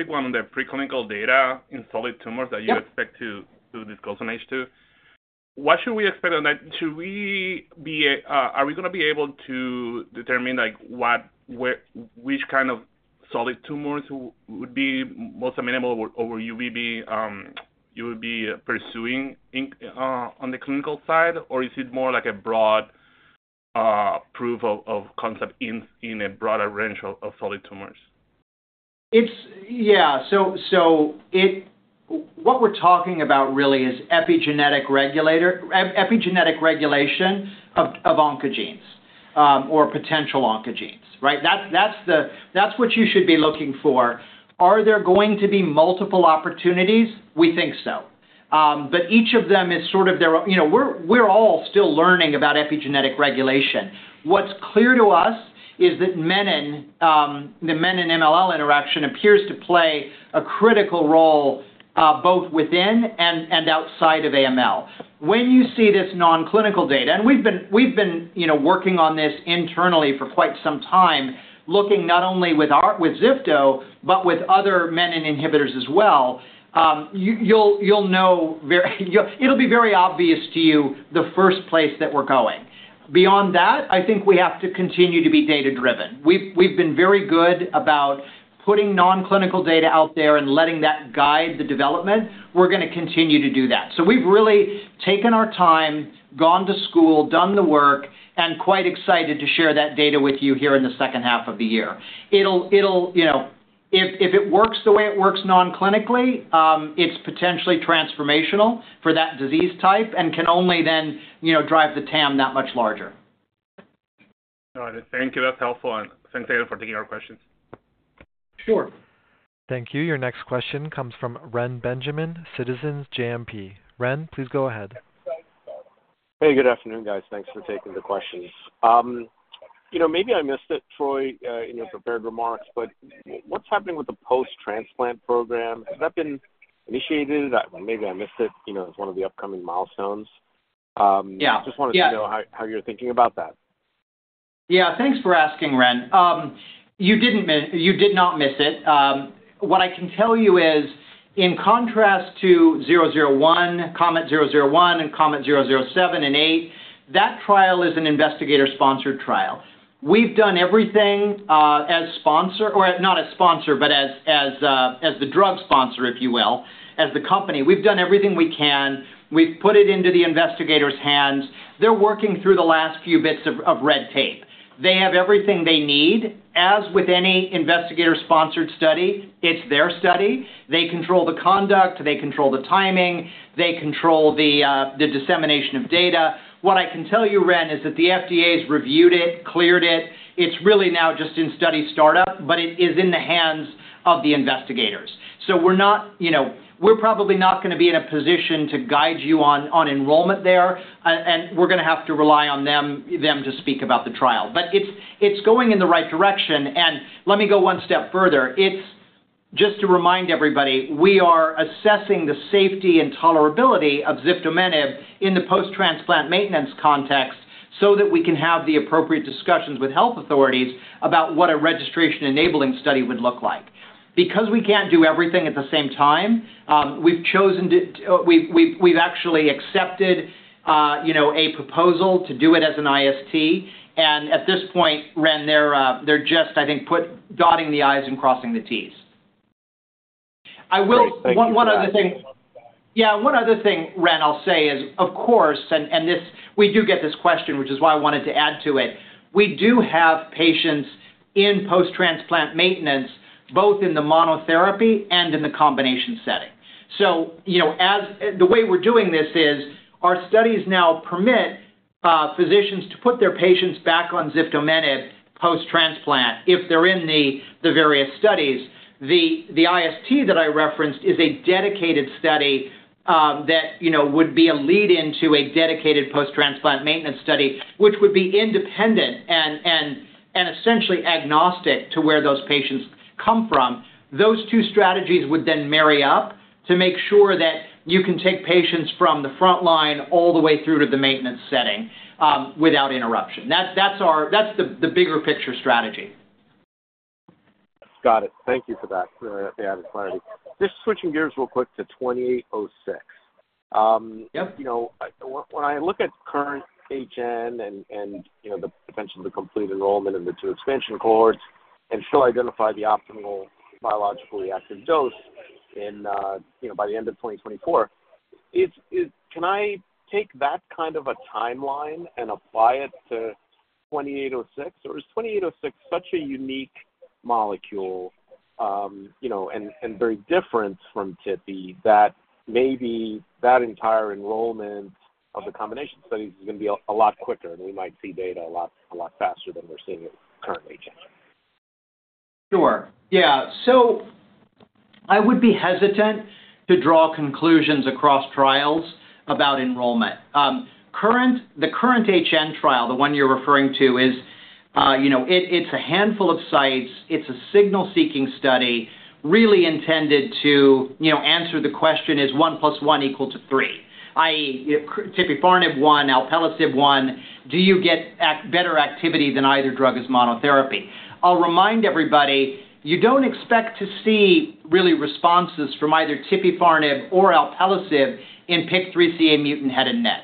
one on the preclinical data in solid tumors- Yeah... that you expect to disclose on H2. What should we expect on that? Should we be, are we gonna be able to determine, like, what, where, which kind of solid tumors would be most amenable or you will be pursuing in on the clinical side? Or is it more like a broad proof of concept in a broader range of solid tumors? Yeah, so what we're talking about really is epigenetic regulator, epigenetic regulation of oncogenes, or potential oncogenes, right? That's what you should be looking for. Are there going to be multiple opportunities? We think so. But each of them is sort of their own. You know, we're all still learning about epigenetic regulation. What's clear to us is that menin, the menin MLL interaction appears to play a critical role, both within and outside of AML. When you see this non-clinical data, and we've been, you know, working on this internally for quite some time, looking not only with our ziftomenib, but with other menin inhibitors as well, you'll know very. It'll be very obvious to you, the first place that we're going. Beyond that, I think we have to continue to be data-driven. We've been very good about putting non-clinical data out there and letting that guide the development. We're gonna continue to do that. So we've really taken our time, gone to school, done the work, and quite excited to share that data with you here in the second half of the year. It'll, you know... If it works the way it works non-clinically, it's potentially transformational for that disease type and can only then, you know, drive the TAM that much larger. All right. Thank you. That's helpful, and thanks again for taking our questions. Sure. Thank you. Your next question comes from Reni Benjamin, Citizens JMP. Ren, please go ahead. Hey, good afternoon, guys. Thanks for taking the questions. You know, maybe I missed it, Troy, in your prepared remarks, but what's happening with the post-transplant program? Has that been initiated? Maybe I missed it, you know, as one of the upcoming milestones. Yeah. Just wanted to know- Yeah How you're thinking about that. Yeah, thanks for asking, Ren. You did not miss it. What I can tell you is, in contrast to 001, KOMET-001 and KOMET-007 and 008, that trial is an investigator-sponsored trial. We've done everything as sponsor, or not as sponsor, but as the drug sponsor, if you will, as the company. We've done everything we can. We've put it into the investigator's hands. They're working through the last few bits of red tape. They have everything they need. As with any investigator-sponsored study, it's their study. They control the conduct, they control the timing, they control the dissemination of data. What I can tell you, Ren, is that the FDA's reviewed it, cleared it. It's really now just in study startup, but it is in the hands of the investigators. So we're not, you know, we're probably not gonna be in a position to guide you on enrollment there, and we're gonna have to rely on them to speak about the trial. But it's going in the right direction, and let me go one step further. It's just to remind everybody, we are assessing the safety and tolerability of ziftomenib in the post-transplant maintenance context, so that we can have the appropriate discussions with health authorities about what a registration-enabling study would look like. Because we can't do everything at the same time, we've actually accepted a proposal to do it as an IST. And at this point, Ren, they're just, I think, dotting the I's and crossing the T's. I will- Great. Thank you for that. One other thing. Yeah, one other thing, Ren. I'll say is, of course, and this, we do get this question, which is why I wanted to add to it. We do have patients in post-transplant maintenance, both in the monotherapy and in the combination setting. So, you know, the way we're doing this is, our studies now permit physicians to put their patients back on ziftomenib post-transplant if they're in the various studies. The IST that I referenced is a dedicated study that you know would be a lead-in to a dedicated post-transplant maintenance study, which would be independent and essentially agnostic to where those patients come from. Those two strategies would then marry up to make sure that you can take patients from the front line all the way through to the maintenance setting without interruption. That's the bigger picture strategy. Got it. Thank you for that, the added clarity. Just switching gears real quick to 2806. Yep. You know, when I look at KURRENT-HN and you know, the potential to complete enrollment in the two expansion cohorts and still identify the optimal biologically active dose in you know, by the end of 2024, is. Can I take that kind of a timeline and apply it to KO-2806? Or is KO-2806 such a unique molecule, you know, and very different from tipifarnib, that maybe that entire enrollment of the combination study is gonna be a lot quicker, and we might see data a lot, a lot faster than we're seeing at KURRENT-HN? Sure. Yeah, so I would be hesitant to draw conclusions across trials about enrollment. The KURRENT-HN trial, the one you're referring to, is, you know, it, it's a handful of sites. It's a signal-seeking study, really intended to, you know, answer the question: Is one plus one equal to three? i.e., tipifarnib one, alpelisib one, do you get better activity than either drug as monotherapy? I'll remind everybody, you don't expect to see really responses from either tipifarnib or alpelisib in PIK3CA mutant head and neck.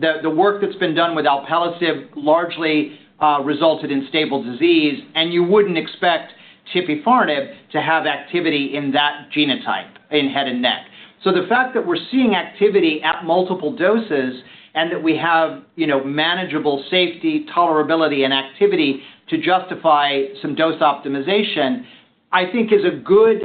The work that's been done with alpelisib largely resulted in stable disease, and you wouldn't expect tipifarnib to have activity in that genotype in head and neck. So the fact that we're seeing activity at multiple doses and that we have, you know, manageable safety, tolerability, and activity to justify some dose optimization, I think is a good...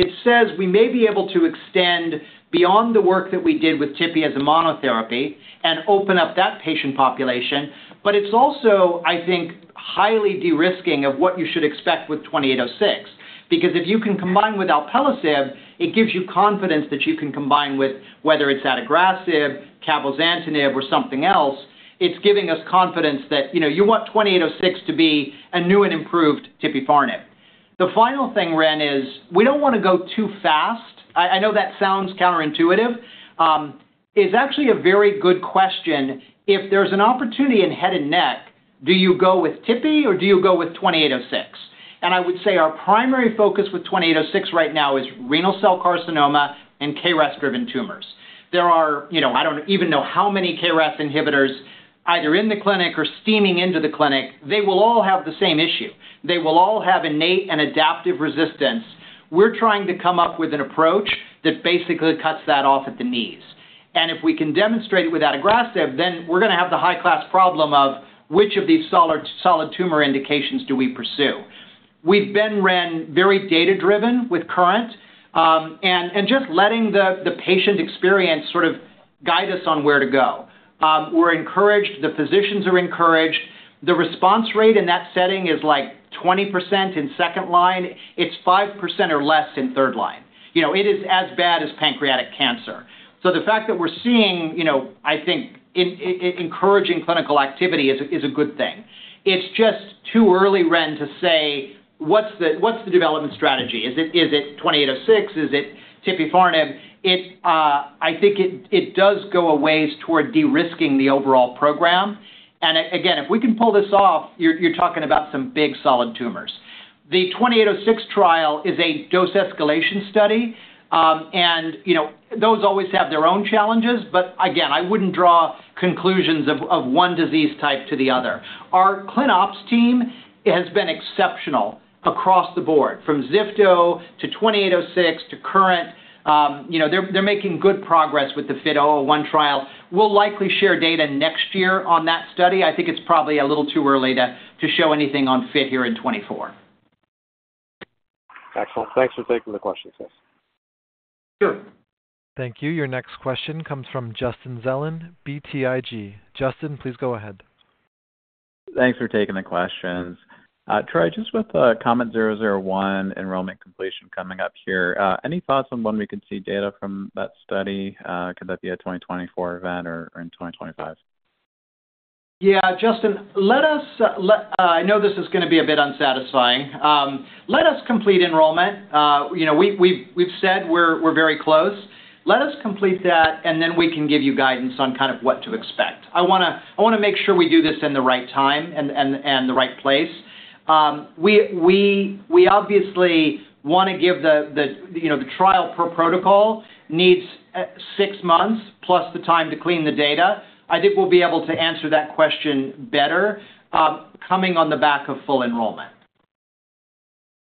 It says we may be able to extend beyond the work that we did with Tipi as a monotherapy and open up that patient population, but it's also, I think, highly de-risking of what you should expect with 2806. Because if you can combine with alpelisib, it gives you confidence that you can combine with, whether it's adagrasib, cabozantinib, or something else, it's giving us confidence that, you know, you want 2806 to be a new and improved tipifarnib. The final thing, Ren, is we don't wanna go too fast. I know that sounds counterintuitive. It's actually a very good question. If there's an opportunity in head and neck, do you go with tipifarnib or do you go with KO-2806? I would say our primary focus with KO-2806 right now is renal cell carcinoma and KRAS-driven tumors. There are, you know, I don't even know how many KRAS inhibitors, either in the clinic or streaming into the clinic. They will all have the same issue. They will all have innate and adaptive resistance. We're trying to come up with an approach that basically cuts that off at the knees. If we can demonstrate it without adagrasib, then we're gonna have the high-class problem of which of these solid, solid tumor indications do we pursue? We've been, Ren, very data-driven with KURRENT and just letting the patient experience sort of guide us on where to go. We're encouraged, the physicians are encouraged. The response rate in that setting is, like, 20% in second line. It's 5% or less in third line. You know, it is as bad as pancreatic cancer. So the fact that we're seeing, you know, I think, encouraging clinical activity is a good thing. It's just too early, Ren, to say, what's the development strategy? Is it KO-2806? Is it tipifarnib? I think it does go a ways toward de-risking the overall program. And again, if we can pull this off, you're talking about some big solid tumors. The KO-2806 trial is a dose escalation study. And, you know, those always have their own challenges, but again, I wouldn't draw conclusions of one disease type to the other. Our clin ops team has been exceptional across the board, from ziftomenib to KO-2806, to KURRENT. You know, they're making good progress with the ziftomenib one trial. We'll likely share data next year on that study. I think it's probably a little too early to show anything on ziftomenib here in 2024. Excellent. Thanks for taking the question, Chris. Sure. Thank you. Your next question comes from Justin Zelin, BTIG. Justin, please go ahead. Thanks for taking the questions. Troy, just with KO-001 enrollment completion coming up here, any thoughts on when we could see data from that study? Could that be a 2024 event or in 2025? Yeah, Justin, let us let I know this is gonna be a bit unsatisfying. Let us complete enrollment. You know, we've said we're very close. Let us complete that, and then we can give you guidance on kind of what to expect. I wanna make sure we do this in the right time and the right place. We obviously wanna give the, you know, the trial per protocol needs six months plus the time to clean the data. I think we'll be able to answer that question better, coming on the back of full enrollment.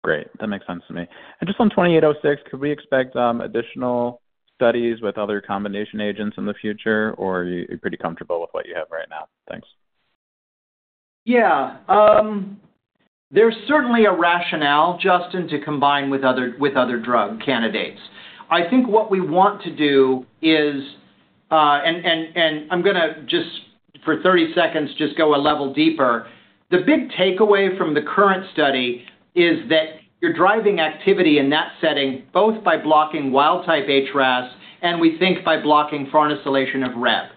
Great, that makes sense to me. And just on KO-2806, could we expect additional studies with other combination agents in the future, or are you pretty comfortable with what you have right now? Thanks. Yeah. There's certainly a rationale, Justin, to combine with other, with other drug candidates. I think what we want to do is, and I'm gonna, just for 30 seconds, just go a level deeper. The big takeaway from the KURRENT study is that you're driving activity in that setting, both by blocking wild-type HRAS and we think by blocking farnesylation of RHEB.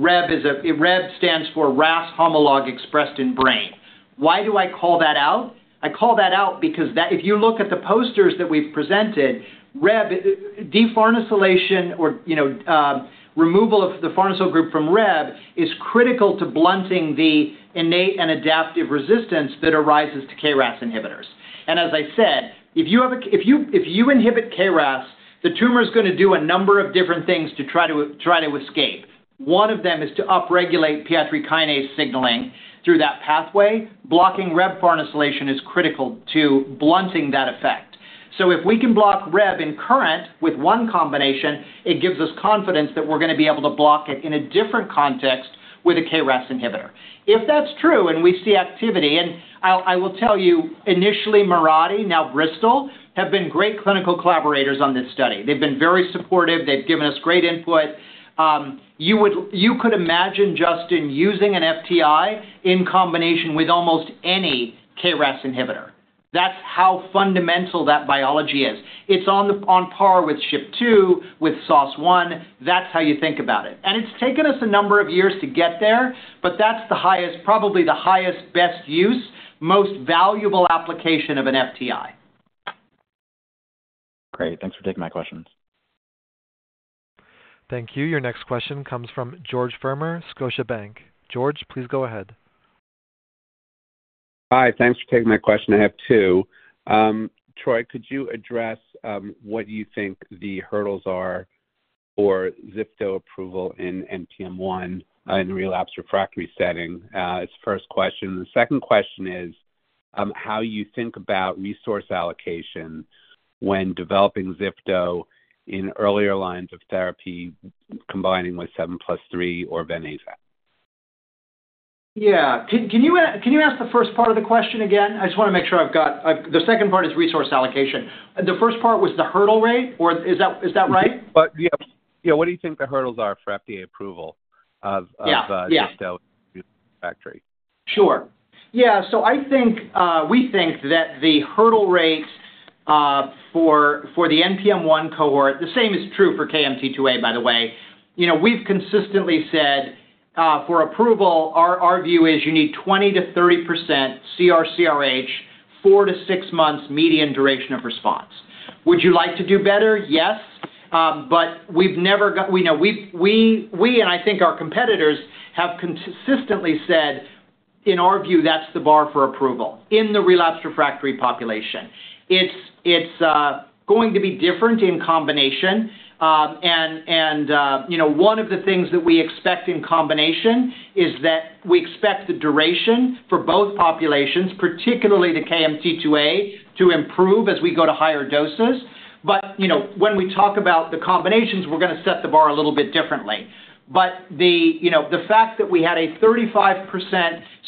RHEB stands for RAS homolog expressed in brain. Why do I call that out? I call that out because that, if you look at the posters that we've presented, RHEB, de-farnesylation or, you know, removal of the farnesyl group from RHEB, is critical to blunting the innate and adaptive resistance that arises to KRAS inhibitors. As I said, if you inhibit KRAS, the tumor is gonna do a number of different things to try to escape. One of them is to upregulate PI3 kinase signaling through that pathway. Blocking RHEB farnesylation is critical to blunting that effect. So if we can block RHEB in KURRENT with one combination, it gives us confidence that we're gonna be able to block it in a different context with a KRAS inhibitor. If that's true and we see activity, I will tell you, initially, Mirati, now Bristol, have been great clinical collaborators on this study. They've been very supportive. They've given us great input. You could imagine, Justin, using an FTI in combination with almost any KRAS inhibitor. That's how fundamental that biology is. It's on par with SH2, with SOS1. That's how you think about it. It's taken us a number of years to get there, but that's the highest, probably the highest, best use, most valuable application of an FTI. Great. Thanks for taking my questions. Thank you. Your next question comes from George Farmer, Scotiabank. George, please go ahead. Hi, thanks for taking my question. I have two. Troy, could you address what you think the hurdles are for ziftomenib approval in NPM1 in relapsed refractory setting? It's first question. The second question is, how you think about resource allocation when developing ziftomenib in earlier lines of therapy, combining with 7+3 or venetoclax. Yeah. Can you ask the first part of the question again? I just wanna make sure I've got... The second part is resource allocation. The first part was the hurdle rate, or is that right? But, yeah. Yeah, what do you think the hurdles are for FDA approval of? Yeah. Zifto refractory? Sure. Yeah, so I think we think that the hurdle rate for the NPM1 cohort, the same is true for KMT2A, by the way. You know, we've consistently said for approval, our view is you need 20%-30% CR/CRh, 4-6 months median duration of response. Would you like to do better? Yes, but we know, and I think our competitors, have consistently said, in our view, that's the bar for approval in the relapsed refractory population. It's going to be different in combination. And, you know, one of the things that we expect in combination is that we expect the duration for both populations, particularly the KMT2A, to improve as we go to higher doses. But, you know, when we talk about the combinations, we're gonna set the bar a little bit differently. But the, you know, the fact that we had a 35%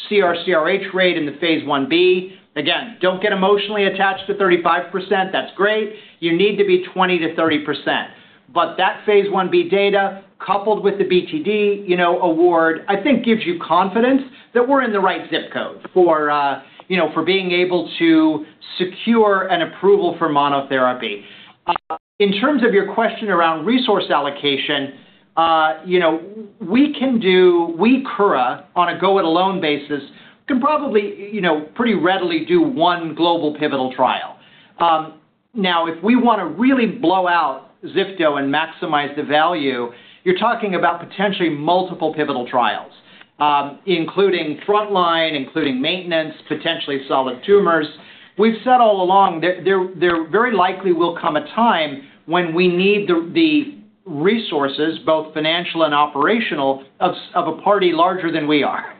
CR/CRh rate in the Phase 1b, again, don't get emotionally attached to 35%. That's great. You need to be 20%-30%. But that Phase 1b data, coupled with the BTD, you know, award, I think gives you confidence that we're in the right zip code for, you know, for being able to secure an approval for monotherapy. In terms of your question around resource allocation, you know, we can do. We, Kura, on a go-it-alone basis, can probably, you know, pretty readily do one global pivotal trial. Now, if we wanna really blow out zifto and maximize the value, you're talking about potentially multiple pivotal trials, including frontline, including maintenance, potentially solid tumors. We've said all along, there very likely will come a time when we need the resources, both financial and operational, of a party larger than we are.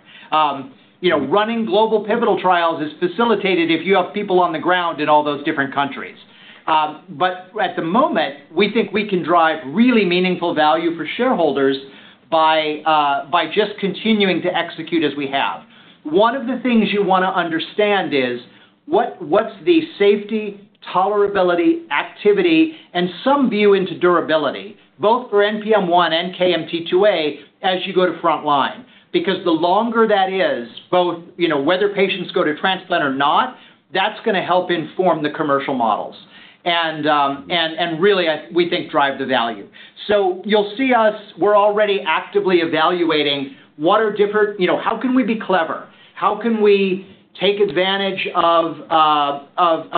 You know, running global pivotal trials is facilitated if you have people on the ground in all those different countries. But at the moment, we think we can drive really meaningful value for shareholders by just continuing to execute as we have. One of the things you wanna understand is, what's the safety, tolerability, activity, and some view into durability, both for NPM1 and KMT2A, as you go to frontline? Because the longer that is, both, you know, whether patients go to transplant or not, that's gonna help inform the commercial models, and really, we think, drive the value. So you'll see us, we're already actively evaluating what are different... You know, how can we be clever? How can we take advantage of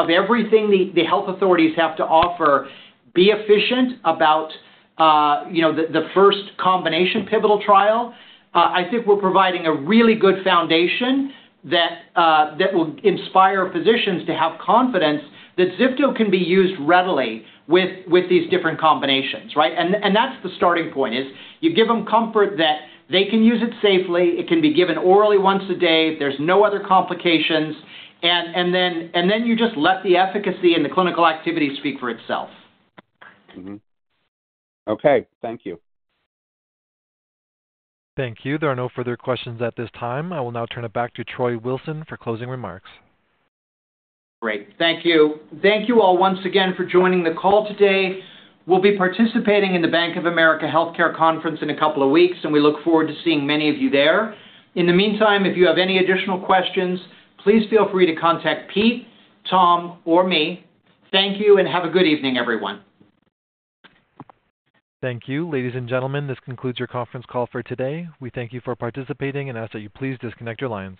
everything the health authorities have to offer, be efficient about, you know, the first combination pivotal trial? I think we're providing a really good foundation that will inspire physicians to have confidence that ziftomenib can be used readily with these different combinations, right? And that's the starting point, is you give them comfort that they can use it safely, it can be given orally once a day, there's no other complications, and then you just let the efficacy and the clinical activity speak for itself. Mm-hmm. Okay, thank you. Thank you. There are no further questions at this time. I will now turn it back to Troy Wilson for closing remarks. Great. Thank you. Thank you all once again for joining the call today. We'll be participating in the Bank of America Healthcare Conference in a couple of weeks, and we look forward to seeing many of you there. In the meantime, if you have any additional questions, please feel free to contact Pete, Tom, or me. Thank you, and have a good evening, everyone. Thank you. Ladies and gentlemen, this concludes your conference call for today. We thank you for participating and ask that you please disconnect your lines.